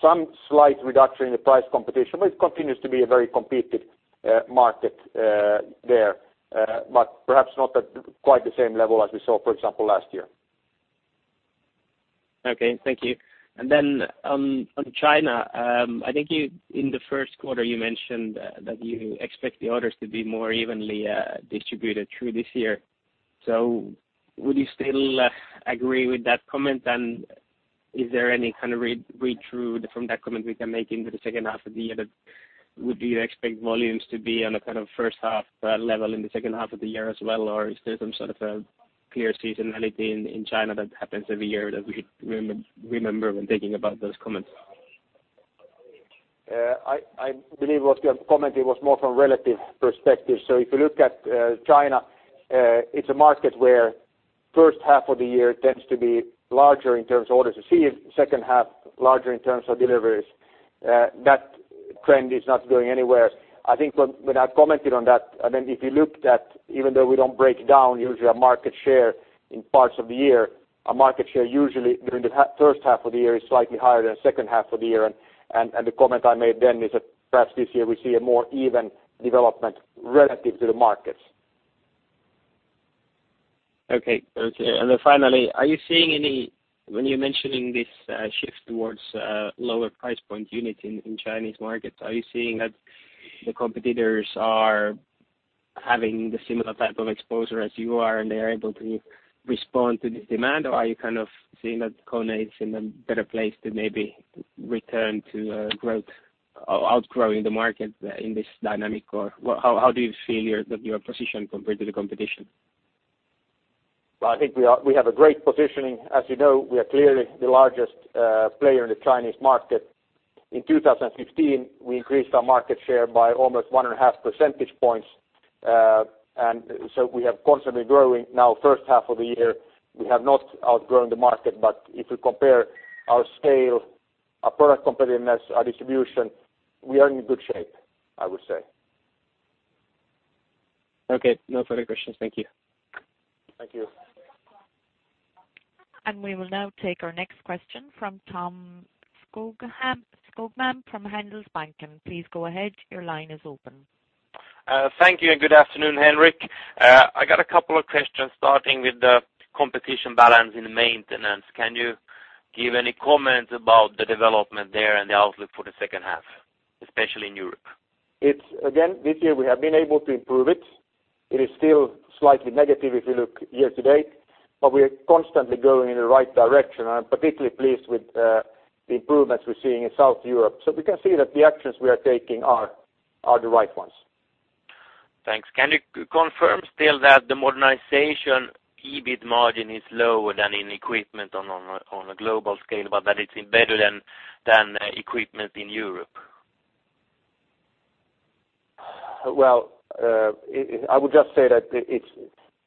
some slight reduction in the price competition, but it continues to be a very competitive market there. Perhaps not at quite the same level as we saw, for example, last year. Okay. Thank you. On China, I think in the first quarter, you mentioned that you expect the orders to be more evenly distributed through this year. Would you still agree with that comment then? Is there any kind of read-through from that comment we can make into the second half of the year? Would you expect volumes to be on a kind of first half level in the second half of the year as well? Is there some sort of a peer seasonality in China that happens every year that we should remember when thinking about those comments? I believe what we are commenting was more from relative perspective. If you look at China, it's a market where first half of the year tends to be larger in terms of orders received, second half larger in terms of deliveries. That trend is not going anywhere. I think when I commented on that, if you looked at, even though we don't break down usually our market share in parts of the year, our market share usually during the first half of the year is slightly higher than the second half of the year. The comment I made then is that perhaps this year we see a more even development relative to the markets. Okay. Finally, when you're mentioning this shift towards lower price point units in Chinese markets, are you seeing that the competitors are having the similar type of exposure as you are and they are able to respond to this demand? Are you kind of seeing that KONE is in a better place to maybe return to growth, outgrowing the market in this dynamic? How do you feel that you are positioned compared to the competition? Well, I think we have a great positioning. As you know, we are clearly the largest player in the Chinese market. In 2015, we increased our market share by almost one and a half percentage points. We have constantly growing. Now first half of the year, we have not outgrown the market, but if you compare our scale, our product competitiveness, our distribution, we are in good shape, I would say. Okay. No further questions. Thank you. Thank you. We will now take our next question from Tom Skogman from Handelsbanken. Please go ahead. Your line is open. Thank you, good afternoon, Henrik. I got a couple of questions starting with the competition balance in maintenance. Can you give any comments about the development there and the outlook for the second half, especially in Europe? Again, this year we have been able to improve it. It is still slightly negative if you look year to date, but we're constantly going in the right direction. I'm particularly pleased with the improvements we're seeing in South Europe. We can see that the actions we are taking are the right ones. Thanks. Can you confirm still that the modernization EBIT margin is lower than in equipment on a global scale, that it's been better than equipment in Europe? Well, I would just say that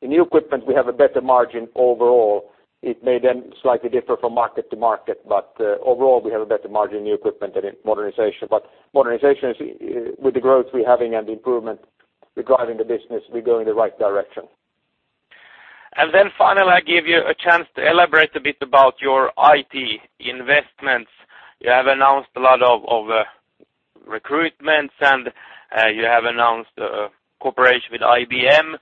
in new equipment, we have a better margin overall. It may slightly differ from market to market. Overall, we have a better margin in new equipment than in modernization. Modernization, with the growth we're having and the improvement, we're driving the business, we're going the right direction. Finally, I give you a chance to elaborate a bit about your IT investments. You have announced a lot of recruitments, you have announced a cooperation with IBM,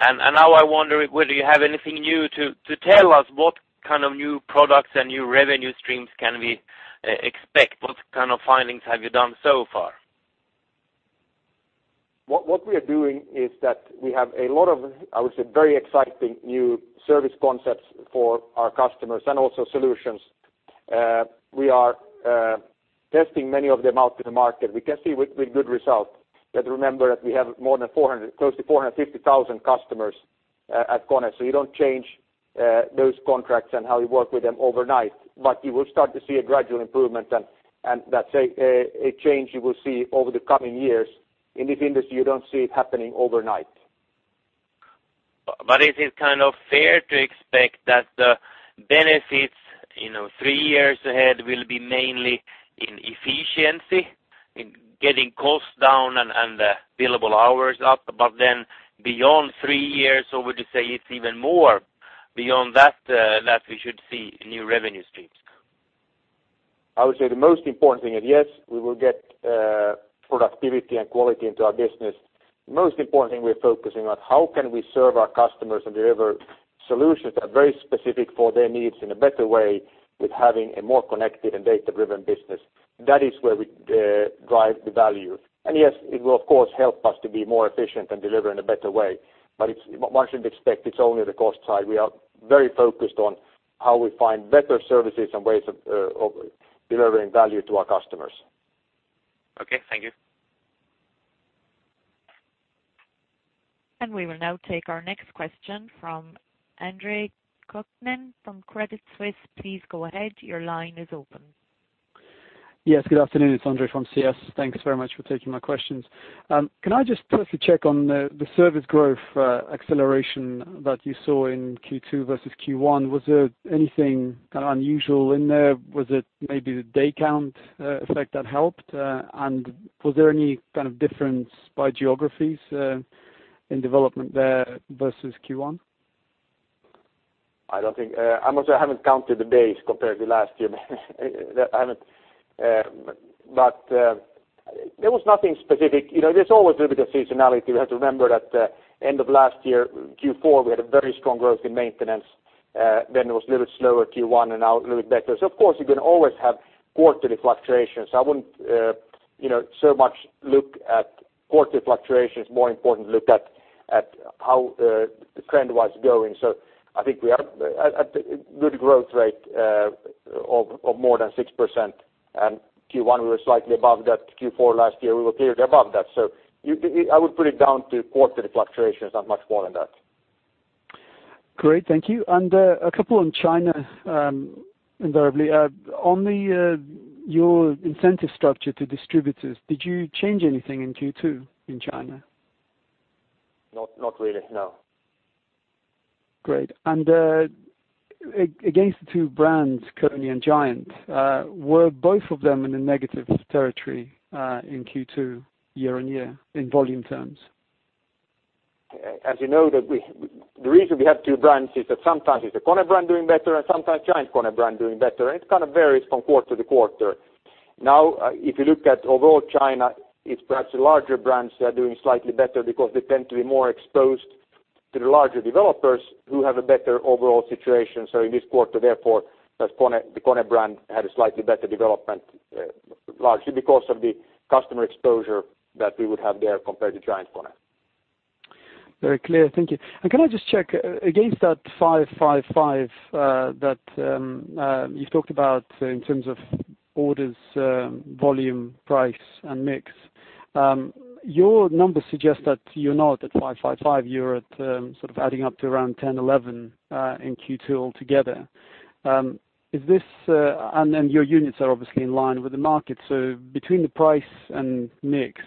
now I wonder whether you have anything new to tell us what kind of new products and new revenue streams can we expect. What kind of findings have you done so far? What we are doing is that we have a lot of, I would say, very exciting new service concepts for our customers and also solutions. We are testing many of them out to the market. We can see with good results. Remember that we have more than 400, close to 450,000 customers at KONE. You don't change those contracts and how you work with them overnight. You will start to see a gradual improvement and that's a change you will see over the coming years. In this industry, you don't see it happening overnight. Is it kind of fair to expect that the benefits three years ahead will be mainly in efficiency, in getting costs down and billable hours up, then beyond three years, or would you say it's even more beyond that we should see new revenue streams? I would say the most important thing is, yes, we will get productivity and quality into our business. Most important thing we're focusing on, how can we serve our customers and deliver solutions that are very specific for their needs in a better way with having a more connected and data-driven business. That is where we drive the value. Yes, it will of course, help us to be more efficient and deliver in a better way. One shouldn't expect it's only the cost side. We are very focused on how we find better services and ways of delivering value to our customers. Okay. Thank you. We will now take our next question from Andre Kukhnin from Credit Suisse. Please go ahead. Your line is open. Yes. Good afternoon. It is Andre from CS. Thanks very much for taking my questions. Can I just briefly check on the service growth acceleration that you saw in Q2 versus Q1? Was there anything kind of unusual in there? Was it maybe the day count effect that helped? Was there any kind of difference by geographies in development there versus Q1? I must say I haven't counted the days compared to last year. I haven't. There was nothing specific. There is always a little bit of seasonality. We have to remember that end of last year, Q4, we had a very strong growth in maintenance. Then it was a little slower Q1 and now a little bit better. Of course, you can always have quarterly fluctuations. I wouldn't so much look at quarterly fluctuations. More important to look at how the trend was going. I think we are at a good growth rate of more than 6%. Q1 we were slightly above that. Q4 last year, we were clearly above that. I would put it down to quarterly fluctuations. Not much more than that. Great. Thank you. A couple on China, invariably. Your incentive structure to distributors, did you change anything in Q2 in China? Not really, no. Great. Against the two brands, KONE and GiantKONE, were both of them in a negative territory in Q2 year-on-year in volume terms? As you know that. The reason we have two brands is that sometimes it's the KONE brand doing better and sometimes GiantKONE brand doing better, and it kind of varies from quarter-to-quarter. If you look at overall China, it's perhaps the larger brands that are doing slightly better because they tend to be more exposed to the larger developers who have a better overall situation. In this quarter, therefore, the KONE brand had a slightly better development, largely because of the customer exposure that we would have there compared to GiantKONE. Very clear. Thank you. Can I just check against that five-five-five that you talked about in terms of orders, volume, price, and mix. Your numbers suggest that you're not at five-five-five. You're at sort of adding up to around 10, 11 in Q2 altogether. Your units are obviously in line with the market. Between the price and mix,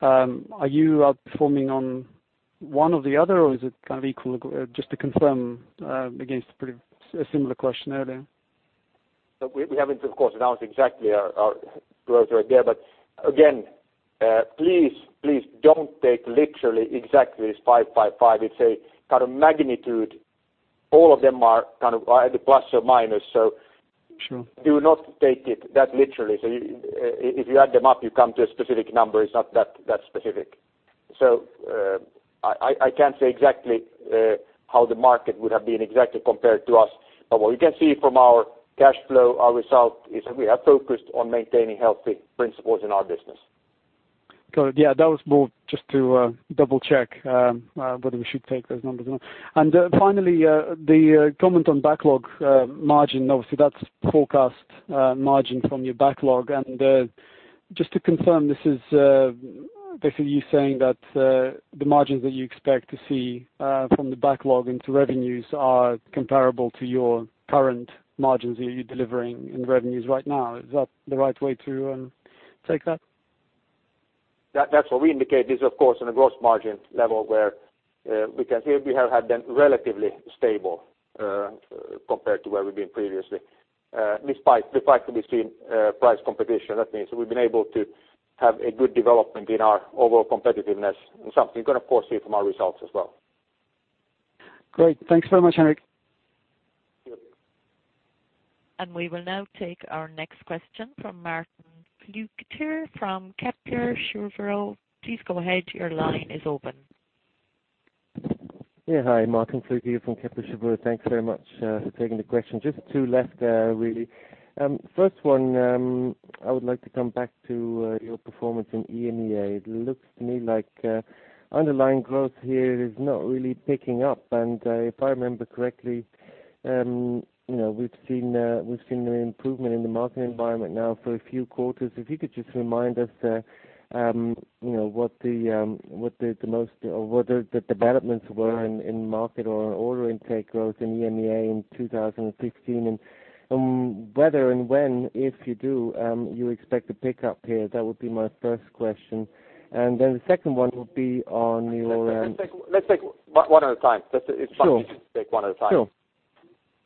are you outperforming on one or the other or is it kind of equal? Just to confirm against a similar question earlier. We haven't, of course, announced exactly our growth rate there, but again please don't take literally exactly this five by five. It's a kind of magnitude. All of them are kind of either plus or minus. Sure. Do not take it that literally. If you add them up, you come to a specific number. It's not that specific. I can't say exactly how the market would have been exactly compared to us. What we can see from our cash flow, our result is that we have focused on maintaining healthy principles in our business. Got it. That was more just to double-check whether we should take those numbers or not. Finally, the comment on backlog margin. Obviously, that's forecast margin from your backlog. Just to confirm, this is basically you saying that the margins that you expect to see from the backlog into revenues are comparable to your current margins that you're delivering in revenues right now. Is that the right way to take that? That's what we indicate. This, of course, is on a gross margin level, where we can see that we have had them relatively stable compared to where we've been previously. Despite the fact that we've seen price competition, that means we've been able to have a good development in our overall competitiveness and something you can, of course, see from our results as well. Great. Thanks very much, Henrik. Sure. We will now take our next question from Martin Flueckiger from Kepler Cheuvreux. Please go ahead. Your line is open. Yeah. Hi, Martin Flueckiger from Kepler Cheuvreux. Thanks very much for taking the question. Just two left there, really. First one, I would like to come back to your performance in EMEA. It looks to me like underlying growth here is not really picking up. If I remember correctly, we've seen the improvement in the market environment now for a few quarters. If you could just remind us what the developments were in market or order intake growth in EMEA in 2016, and whether and when, if you do, you expect to pick up here. That would be my first question, and then the second one would be on your Let's take one at a time. Sure. It's fine. We can take one at a time. Sure.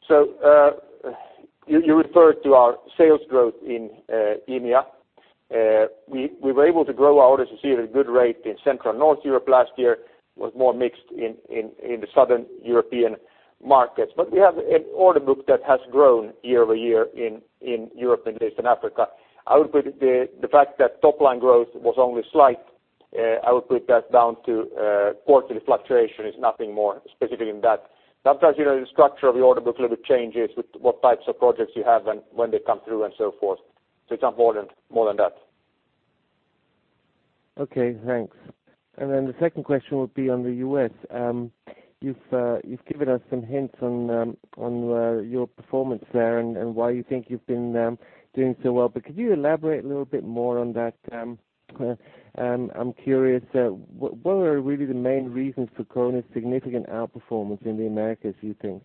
You referred to our sales growth in EMEA. We were able to grow our orders; you see at a good rate in Central and North Europe last year, was more mixed in the Southern European markets. We have an order book that has grown year-over-year in Europe and Eastern Africa. The fact that top line growth was only slight, I would put that down to quarterly fluctuation. It's nothing more specific than that. Sometimes, the structure of the order book little changes with what types of projects you have and when they come through and so forth. It's not more than that. Okay, thanks. The second question would be on the U.S. You've given us some hints on your performance there and why you think you've been doing so well, could you elaborate a little bit more on that? I'm curious, what are really the main reasons for KONE's significant outperformance in the Americas, you think?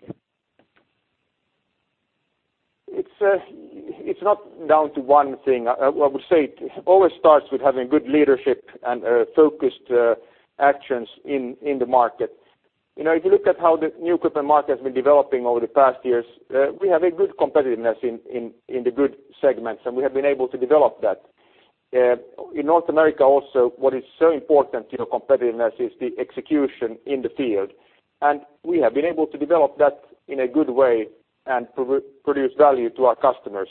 It's not down to one thing. I would say it always starts with having good leadership and focused actions in the market. If you look at how the new equipment market has been developing over the past years, we have a good competitiveness in the good segments, and we have been able to develop that. In North America also, what is so important to your competitiveness is the execution in the field. We have been able to develop that in a good way and produce value to our customers.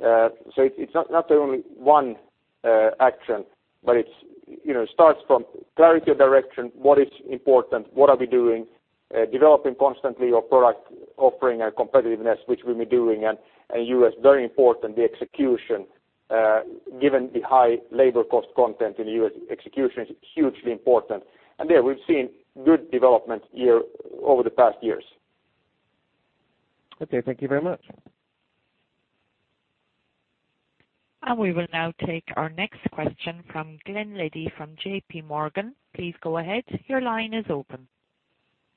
It's not only one action, it starts from clarity of direction, what is important, what are we doing, developing constantly your product offering and competitiveness, which we've been doing. U.S., very important, the execution. Given the high labor cost content in the U.S., execution is hugely important. There we've seen good development over the past years. Okay. Thank you very much. We will now take our next question from Glen Liddy from JP Morgan. Please go ahead. Your line is open.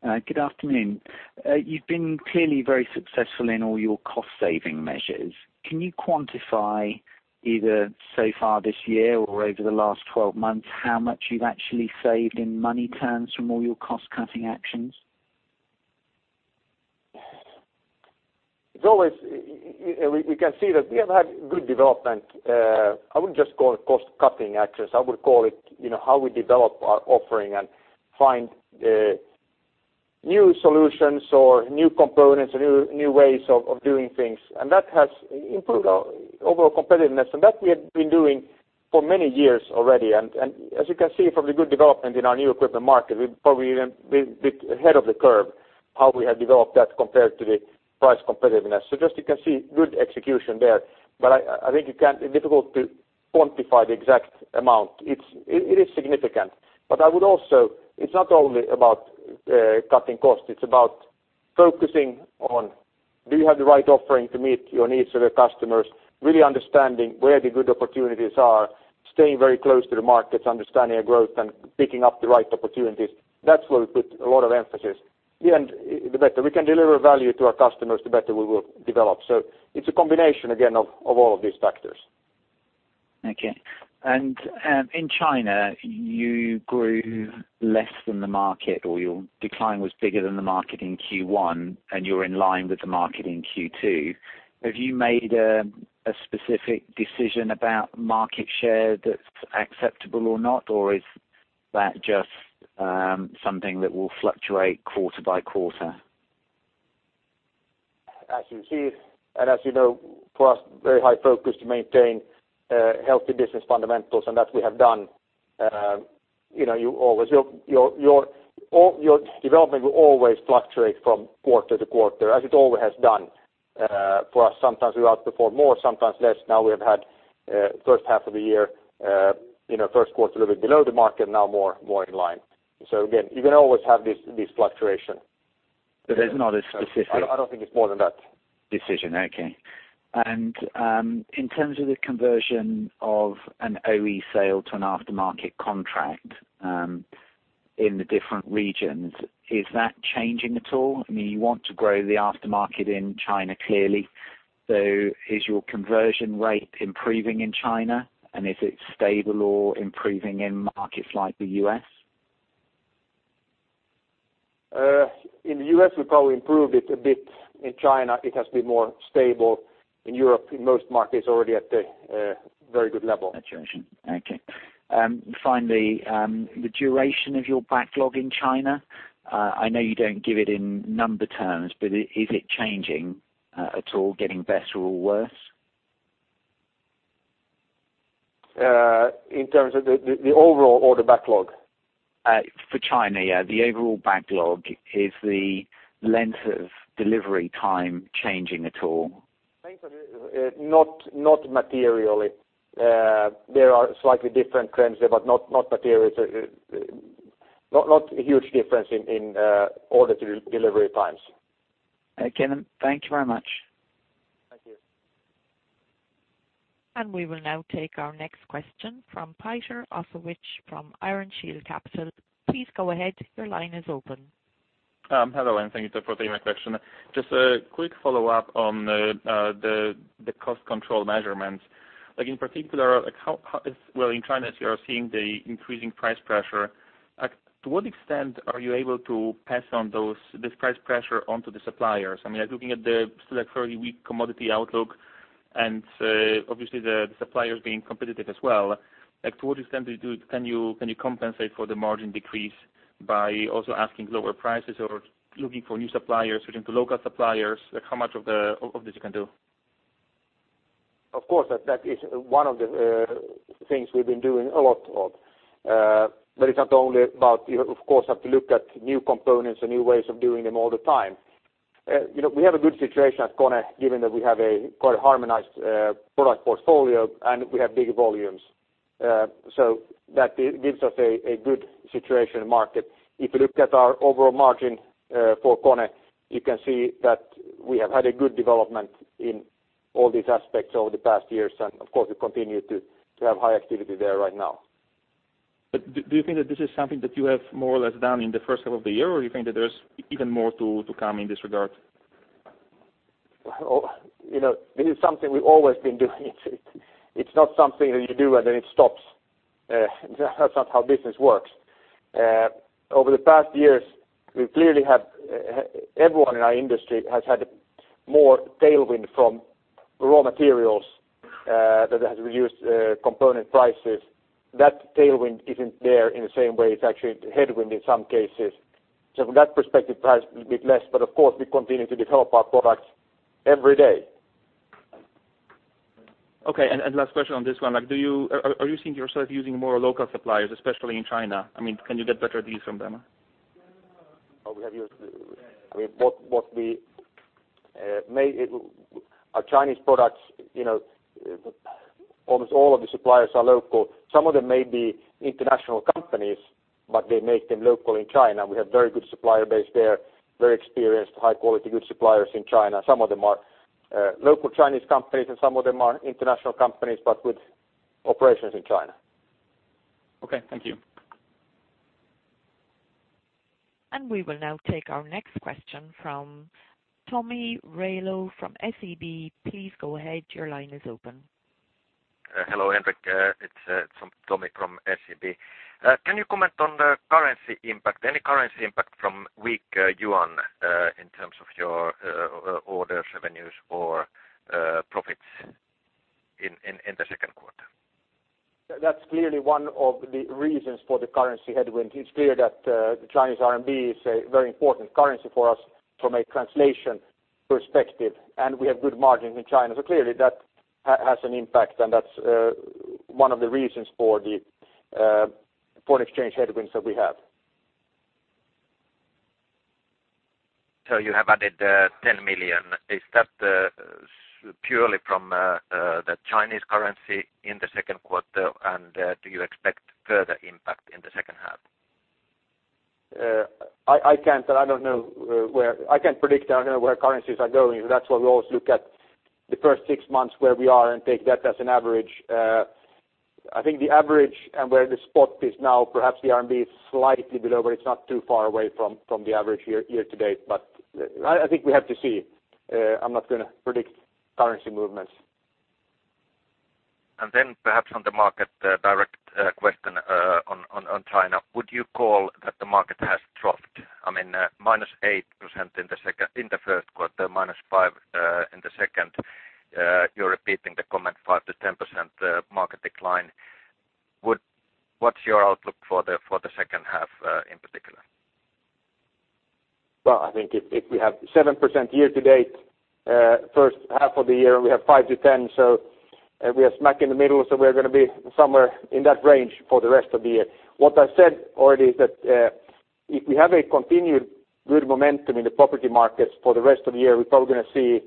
Good afternoon. You've been clearly very successful in all your cost saving measures. Can you quantify either so far this year or over the last 12 months how much you've actually saved in money terms from all your cost cutting actions? We can see that we have had good development. I wouldn't just call it cost cutting actions. I would call it how we develop our offering and find new solutions or new components or new ways of doing things. That has improved our overall competitiveness, and that we have been doing for many years already. As you can see from the good development in our new equipment market, we're probably even a bit ahead of the curve, how we have developed that compared to the price competitiveness. Just you can see good execution there, but I think it's difficult to quantify the exact amount. It is significant. It's not only about cutting costs. It's about focusing on, do you have the right offering to meet your needs of your customers? Really understanding where the good opportunities are, staying very close to the markets, understanding their growth, and picking up the right opportunities. That's where we put a lot of emphasis. The better we can deliver value to our customers, the better we will develop. It's a combination, again, of all of these factors. Okay. In China, you grew less than the market, or your decline was bigger than the market in Q1, and you're in line with the market in Q2. Have you made a specific decision about market share that's acceptable or not, or is that just something that will fluctuate quarter by quarter? As you see and as you know, for us, very high focus to maintain healthy business fundamentals, and that we have done. Your development will always fluctuate from quarter to quarter as it always has done. For us, sometimes we outperform more, sometimes less. Now we have had first half of the year, first quarter a little bit below the market, now more in line. Again, you can always have this fluctuation. There's not a specific- I don't think it's more than that. decision. Okay. In terms of the conversion of an OE sale to an aftermarket contract in the different regions, is that changing at all? You want to grow the aftermarket in China, clearly. Is your conversion rate improving in China and is it stable or improving in markets like the U.S.? In the U.S., we probably improved it a bit. In China, it has been more stable. In Europe, in most markets, already at the very good level. Saturation. Okay. Finally, the duration of your backlog in China, I know you don't give it in number terms, but is it changing at all, getting better or worse? In terms of the overall order backlog? For China, yeah. The overall backlog. Is the length of delivery time changing at all? Not materially. There are slightly different trends there, but not materially. Not a huge difference in order delivery times. Okay then. Thank you very much. Thank you. We will now take our next question from Piotr Osowicz from Iron Shield Capital. Please go ahead. Your line is open. Hello, and thank you for taking my question. Just a quick follow-up on the cost control measurements. In particular, in China as you are seeing the increasing price pressure, to what extent are you able to pass on this price pressure onto the suppliers? I mean, looking at the still very weak commodity outlook and obviously the suppliers being competitive as well, to what extent can you compensate for the margin decrease by also asking lower prices or looking for new suppliers, switching to local suppliers? How much of this you can do? Of course, that is one of the things we've been doing a lot of. Of course, you have to look at new components and new ways of doing them all the time. We have a good situation at KONE given that we have a quite harmonized product portfolio and we have big volumes. That gives us a good situation in market. If you look at our overall margin for KONE, you can see that we have had a good development in all these aspects over the past years and, of course, we continue to have high activity there right now. Do you think that this is something that you have more or less done in the first half of the year, or you think that there's even more to come in this regard? This is something we've always been doing. It's not something that you do and then it stops. That's not how business works. Over the past years, everyone in our industry has had more tailwind from raw materials that has reduced component prices. That tailwind isn't there in the same way. It's actually a headwind in some cases. From that perspective, price will be less, but of course, we continue to develop our products every day. Okay, last question on this one. Are you seeing yourself using more local suppliers, especially in China? I mean, can you get better deals from them? Our Chinese products, almost all of the suppliers are local. Some of them may be international companies, but they make them local in China. We have very good supplier base there, very experienced, high quality goods suppliers in China. Some of them are local Chinese companies and some of them are international companies, but with operations in China. Okay, thank you. We will now take our next question from Tomi Railo from SEB. Please go ahead, your line is open. Hello, Henrik. It's Tomi from SEB. Can you comment on the currency impact, any currency impact from weak yuan in terms of your orders, revenues or profits in the second quarter? That's clearly one of the reasons for the currency headwind. It's clear that the Chinese RMB is a very important currency for us from a translation perspective, and we have good margins in China. Clearly that has an impact, and that's one of the reasons for the foreign exchange headwinds that we have. You have added 10 million. Is that purely from the Chinese currency in the second quarter, and do you expect further impact in the second half? I can't predict. I don't know where currencies are going. That's why we always look at the first six months where we are and take that as an average. I think the average and where the spot is now, perhaps the RMB is slightly below, it's not too far away from the average year-to-date. I think we have to see. I'm not going to predict currency movements. Then perhaps on the market, a direct question on China. Would you call that the market has dropped? I mean, -8% in the first quarter, -5% in the second. You're repeating the comment 5%-10% market decline. What's your outlook for the second half in particular? Well, I think if we have 7% year-to-date, first half of the year, we have 5%-10%, we are smack in the middle. We are going to be somewhere in that range for the rest of the year. What I said already is that if we have a continued good momentum in the property markets for the rest of the year, we're probably going to see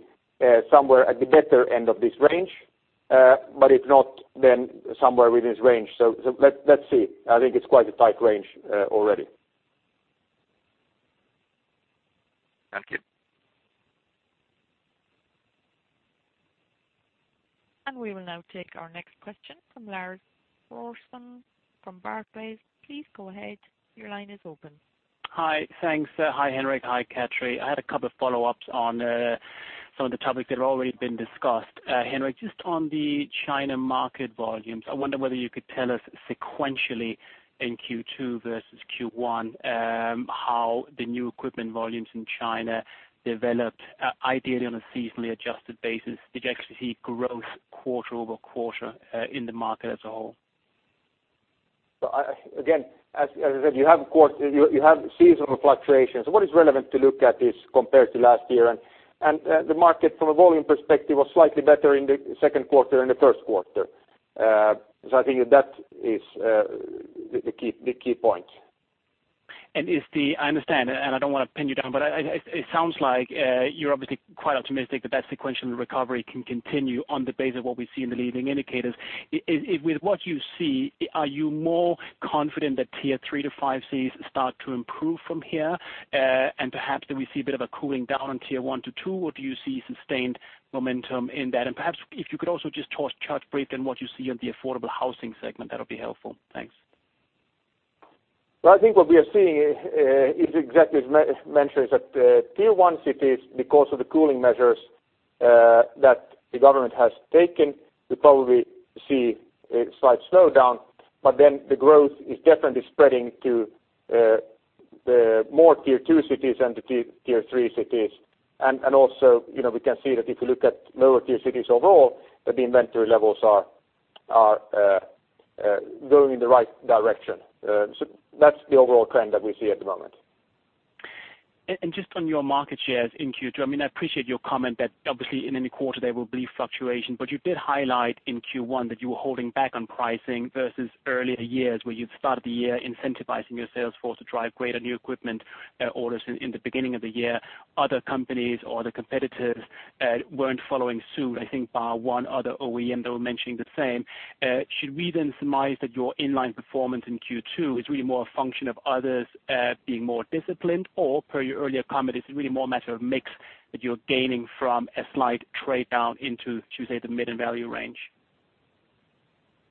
somewhere at the better end of this range. If not, then somewhere within this range. Let's see. I think it's quite a tight range already. Thank you. We will now take our next question from Lars Larsson from Barclays. Please go ahead. Your line is open. Hi. Thanks. Hi, Henrik. Hi, Katri. I had a couple of follow-ups on some of the topics that have already been discussed. Henrik, just on the China market volumes, I wonder whether you could tell us sequentially in Q2 versus Q1, how the new equipment volumes in China developed, ideally on a seasonally adjusted basis. Did you actually see growth quarter-over-quarter in the market as a whole? Again, as I said, you have seasonal fluctuations. What is relevant to look at is compared to last year and the market from a volume perspective was slightly better in the second quarter than the first quarter. I think that is the key point. I understand. I don't want to pin you down, but it sounds like you're obviously quite optimistic that that sequential recovery can continue on the base of what we see in the leading indicators. With what you see, are you more confident that tier 3 to 5 cities start to improve from here? Perhaps do we see a bit of a cooling down on tier 1 to 2, or do you see sustained momentum in that? Perhaps if you could also just touch briefly on what you see on the affordable housing segment, that'll be helpful. Thanks. Well, I think what we are seeing is exactly as mentioned, is that tier 1 cities, because of the cooling measures that the government has taken, we probably see a slight slowdown, then the growth is definitely spreading to more tier 2 cities and to tier 3 cities. Also, we can see that if you look at lower tier cities overall, that the inventory levels are going in the right direction. That's the overall trend that we see at the moment. Just on your market shares in Q2, I appreciate your comment that obviously in any quarter there will be fluctuation, but you did highlight in Q1 that you were holding back on pricing versus earlier years where you've started the year incentivizing your sales force to drive greater new equipment orders in the beginning of the year. Other companies or other competitors weren't following suit. I think bar one other OEM, they were mentioning the same. Should we surmise that your in-line performance in Q2 is really more a function of others being more disciplined or per your earlier comment, it's really more a matter of mix that you're gaining from a slight trade down into, to say, the mid and value range?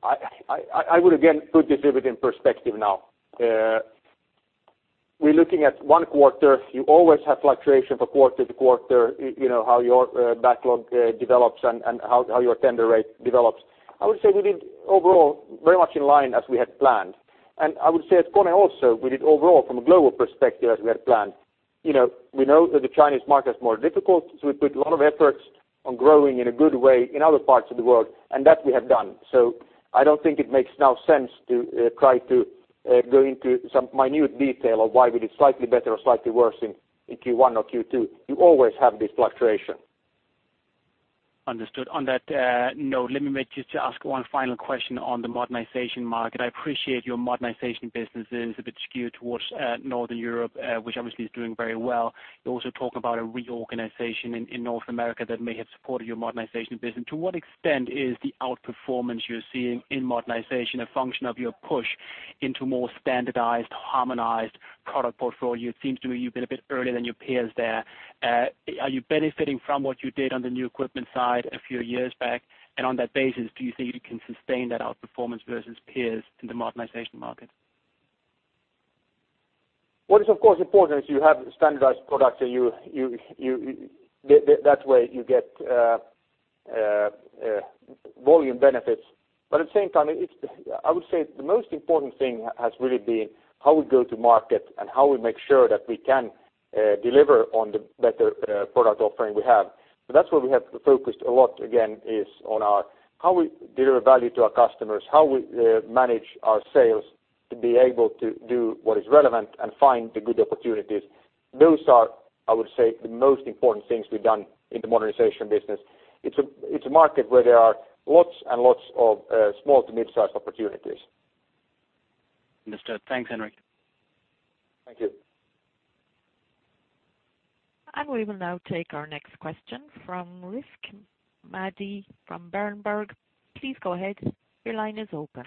I would again put this a bit in perspective now. We're looking at one quarter. You always have fluctuation from quarter to quarter, how your backlog develops and how your tender rate develops. I would say we did overall very much in line as we had planned. I would say at KONE also, we did overall from a global perspective as we had planned. We know that the Chinese market is more difficult, we put a lot of efforts on growing in a good way in other parts of the world, that we have done. I don't think it makes now sense to try to go into some minute detail of why we did slightly better or slightly worse in Q1 or Q2. You always have this fluctuation. Understood. On that note, let me just ask one final question on the modernization market. I appreciate your modernization business is a bit skewed towards Northern Europe, which obviously is doing very well. You also talk about a reorganization in North America that may have supported your modernization business. To what extent is the outperformance you're seeing in modernization a function of your push into more standardized, harmonized product portfolio? It seems to me you've been a bit earlier than your peers there. Are you benefiting from what you did on the new equipment side a few years back? On that basis, do you think you can sustain that outperformance versus peers in the modernization market? What is of course important is you have standardized products and that way you get volume benefits. At the same time, I would say the most important thing has really been how we go to market and how we make sure that we can deliver on the better product offering we have. That's where we have focused a lot again is on how we deliver value to our customers, how we manage our sales to be able to do what is relevant and find the good opportunities. Those are, I would say, the most important things we've done in the modernization business. It's a market where there are lots and lots of small to mid-size opportunities. Understood. Thanks, Henrik. Thank you. We will now take our next question from Rizk Maidi from Berenberg. Please go ahead. Your line is open.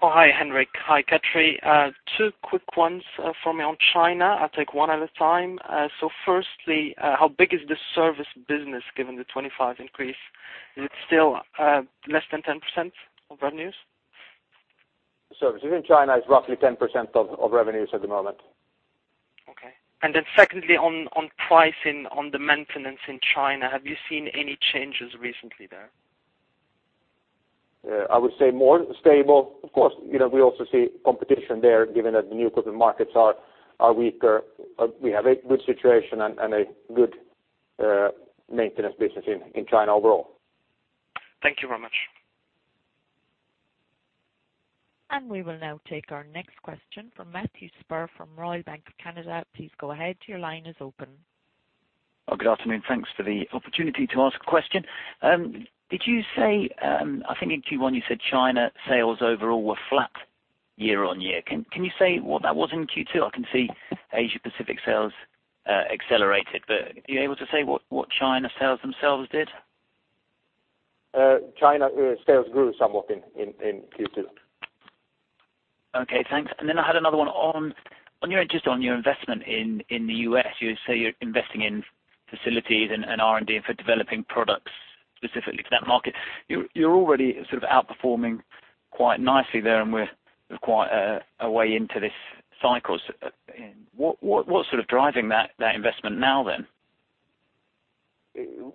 Hi Henrik. Hi Katri. Two quick ones for me on China. I will take one at a time. Firstly, how big is the service business given the 25 increase? Is it still less than 10% of revenues? Services in China is roughly 10% of revenues at the moment. Okay. Secondly, on pricing on the maintenance in China, have you seen any changes recently there? I would say more stable. Of course, we also see competition there given that the new equipment markets are weaker. We have a good situation and a good maintenance business in China overall. Thank you very much. We will now take our next question from Matthew Spurr from Royal Bank of Canada. Please go ahead. Your line is open. Oh, good afternoon. Thanks for the opportunity to ask a question. Did you say, I think in Q1 you said China sales overall were flat year-on-year. Can you say what that was in Q2? I can see Asia Pacific sales accelerated, are you able to say what China sales themselves did? China sales grew somewhat in Q2. Okay, thanks. I had another one on your investment in the U.S. You say you're investing in facilities and R&D for developing products specifically for that market. You're already sort of outperforming quite nicely there and we're quite a way into this cycle. What's sort of driving that investment now then?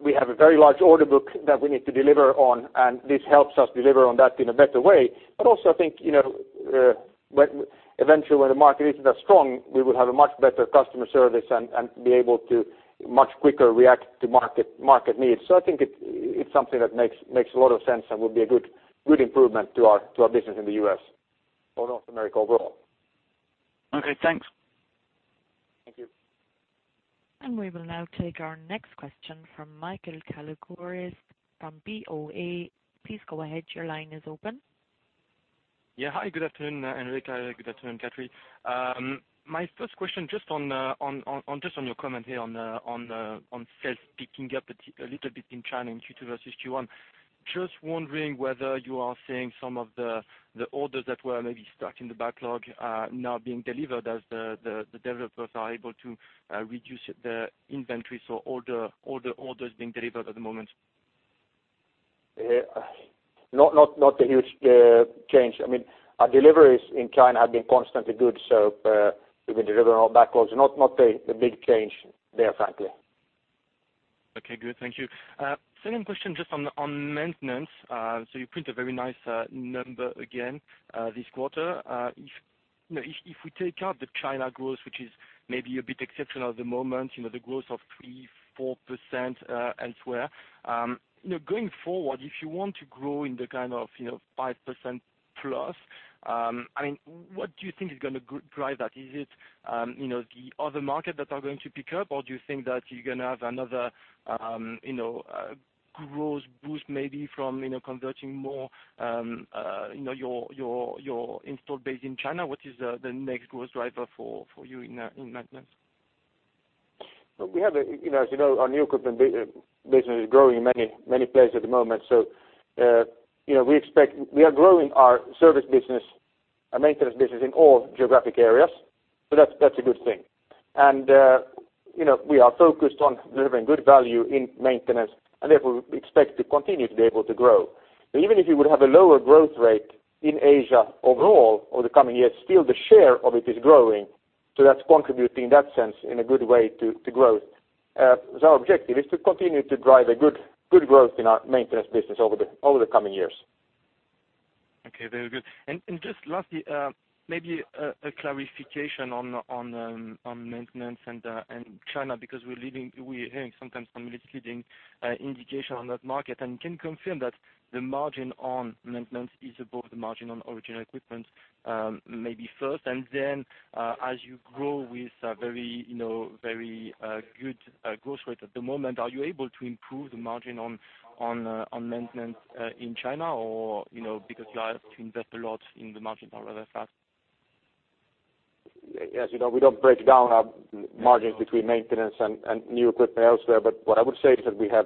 We have a very large order book that we need to deliver on, and this helps us deliver on that in a better way. Also, I think, eventually, when the market isn't as strong, we will have a much better customer service and be able to much quicker react to market needs. I think it's something that makes a lot of sense and would be a good improvement to our business in the U.S. or North America overall. Okay, thanks. Thank you. We will now take our next question from Michael Kalas from BofA. Please go ahead. Your line is open. Yeah. Hi, good afternoon, Henrik. Good afternoon, Katri. My first question, just on your comment here on sales picking up a little bit in China in Q2 versus Q1. Just wondering whether you are seeing some of the orders that were maybe stuck in the backlog now being delivered as the developers are able to reduce the inventory. All the orders being delivered at the moment. Not a huge change. Our deliveries in China have been constantly good, so we've been delivering our backlogs. Not a big change there, frankly. Okay, good. Thank you. Second question, just on maintenance. You print a very nice number again this quarter. If we take out the China growth, which is maybe a bit exceptional at the moment, the growth of 3%-4% elsewhere. Going forward, if you want to grow in the kind of 5% plus, what do you think is going to drive that? Is it the other market that are going to pick up, or do you think that you're going to have another growth boost maybe from converting more your install base in China? What is the next growth driver for you in maintenance? As you know, our new equipment business is growing in many places at the moment. We are growing our service business, our maintenance business in all geographic areas. That's a good thing. We are focused on delivering good value in maintenance and therefore expect to continue to be able to grow. Even if you would have a lower growth rate in Asia overall over the coming years, still the share of it is growing. That's contributing in that sense in a good way to growth. Our objective is to continue to drive a good growth in our maintenance business over the coming years. Okay, very good. Just lastly, maybe a clarification on maintenance and China, because we're hearing sometimes some misleading indication on that market and can you confirm that the margin on maintenance is above the margin on original equipment, maybe first, and then as you grow with a very good growth rate at the moment, are you able to improve the margin on maintenance in China or, because you have to invest a lot in the margin rather fast? As you know, we don't break down our margins between maintenance and new equipment elsewhere, but what I would say is that we have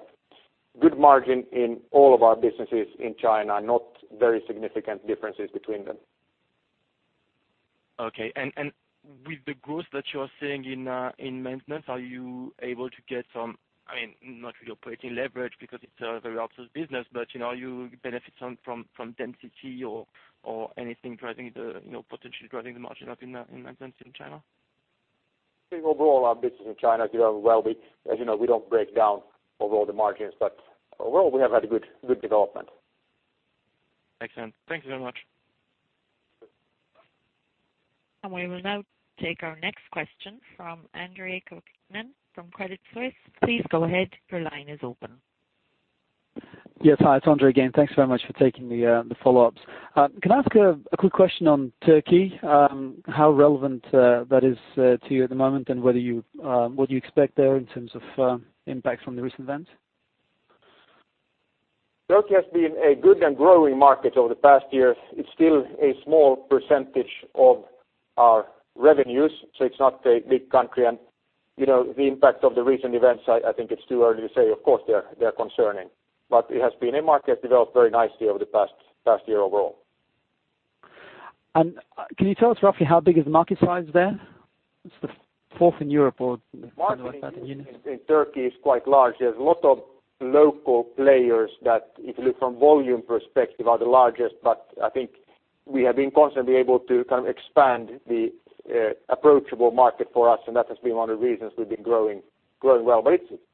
good margin in all of our businesses in China, not very significant differences between them. Okay. With the growth that you're seeing in maintenance, are you able to get some, not really operating leverage because it's a very [outsource] business, but are you benefiting from density or anything potentially driving the margin up in maintenance in China? I think overall our business in China is doing well. As you know, we don't break down overall the margins, but overall, we have had a good development. Excellent. Thank you very much. We will now take our next question from Andre Kukhnin from Credit Suisse. Please go ahead. Your line is open. Yes, hi. It's Andre again. Thanks very much for taking the follow-ups. Can I ask a quick question on Turkey? How relevant that is to you at the moment and what do you expect there in terms of impact from the recent events? Turkey has been a good and growing market over the past year. It's still a small percentage of our revenues, so it's not a big country. The impact of the recent events, I think it's too early to say. Of course, they're concerning. It has been a market developed very nicely over the past year overall. Can you tell us roughly how big is the market size there? It's the fourth in Europe or something like that in units. Market in Turkey is quite large. There's a lot of local players that, if you look from volume perspective, are the largest. I think we have been constantly able to expand the approachable market for us, and that has been one of the reasons we've been growing well.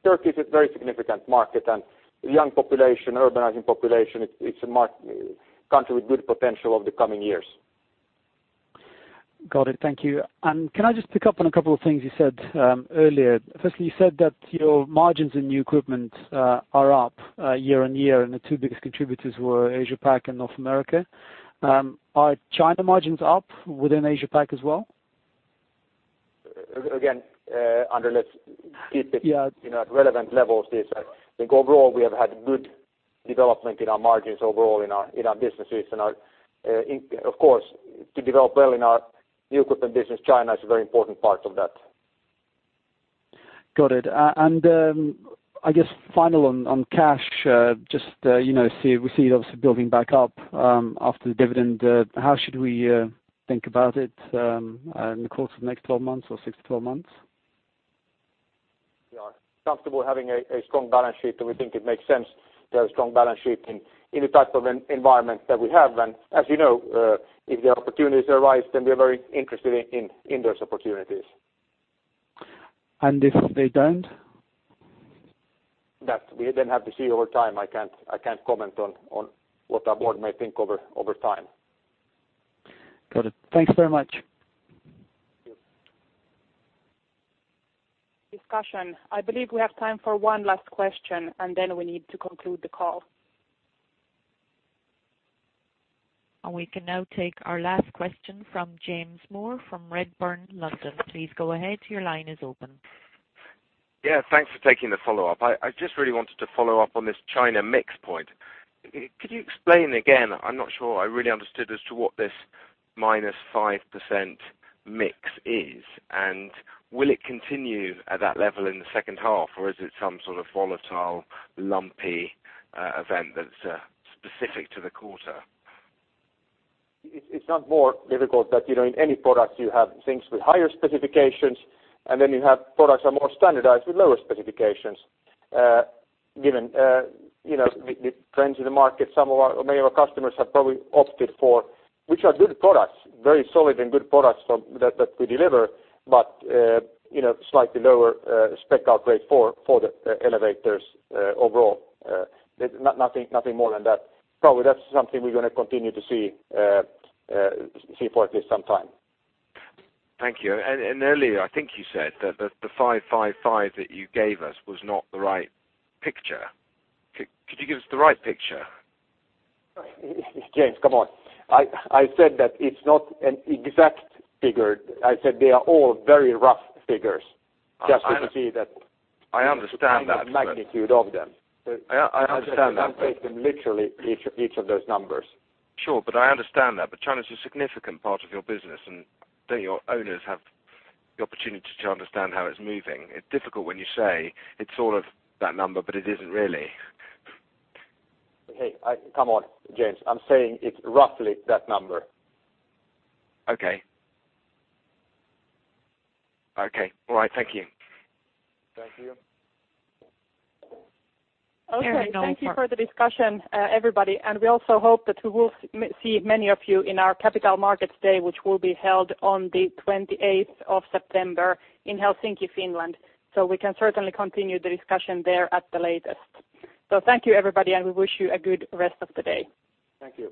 Turkey is a very significant market and young population, urbanizing population, it's a country with good potential over the coming years. Got it. Thank you. Can I just pick up on a couple of things you said earlier? Firstly, you said that your margins in new equipment are up year-on-year, and the two biggest contributors were Asia-Pac and North America. Are China margins up within Asia-Pac as well? Again, Andre, let's keep it at relevant levels this. I think overall, we have had good development in our margins overall in our businesses and of course, to develop well in our new equipment business, China is a very important part of that. Got it. I guess final on cash, just we see it obviously building back up after the dividend. How should we think about it in the course of the next 12 months or 6-12 months? We are comfortable having a strong balance sheet, and we think it makes sense to have a strong balance sheet in the type of environment that we have. As you know, if the opportunities arise, then we are very interested in those opportunities. If they don't? That we then have to see over time. I can't comment on what our board may think over time. Got it. Thanks very much. Thank you. Discussion. I believe we have time for one last question. Then we need to conclude the call. We can now take our last question from James Moore from Redburn, London. Please go ahead. Your line is open. Yeah, thanks for taking the follow-up. I just really wanted to follow up on this China mix point. Could you explain again, I'm not sure I really understood as to what this minus 5% mix is. Will it continue at that level in the second half, or is it some sort of volatile, lumpy event that's specific to the quarter? It's not more difficult that, in any product you have things with higher specifications. Then you have products that are more standardized with lower specifications. Given the trends in the market, many of our customers have probably opted for, which are good products, very solid and good products that we deliver, but slightly lower spec upgrade for the elevators overall. Nothing more than that. Probably that's something we're going to continue to see for at least some time. Thank you. Earlier, I think you said that the 555 that you gave us was not the right picture. Could you give us the right picture? James, come on. I said that it's not an exact figure. I said they are all very rough figures. Just to see that. I understand that the magnitude of them. I understand that. I'm not taking literally each of those numbers. Sure. I understand that. China's a significant part of your business, and your owners have the opportunity to understand how it's moving. It's difficult when you say it's all of that number, but it isn't really. Hey, come on, James. I'm saying it's roughly that number. Okay. All right. Thank you. Thank you. Okay, thank you for the discussion, everybody, and we also hope that we will see many of you in our Capital Markets Day, which will be held on the 28th of September in Helsinki, Finland. We can certainly continue the discussion there at the latest. Thank you, everybody, and we wish you a good rest of the day. Thank you.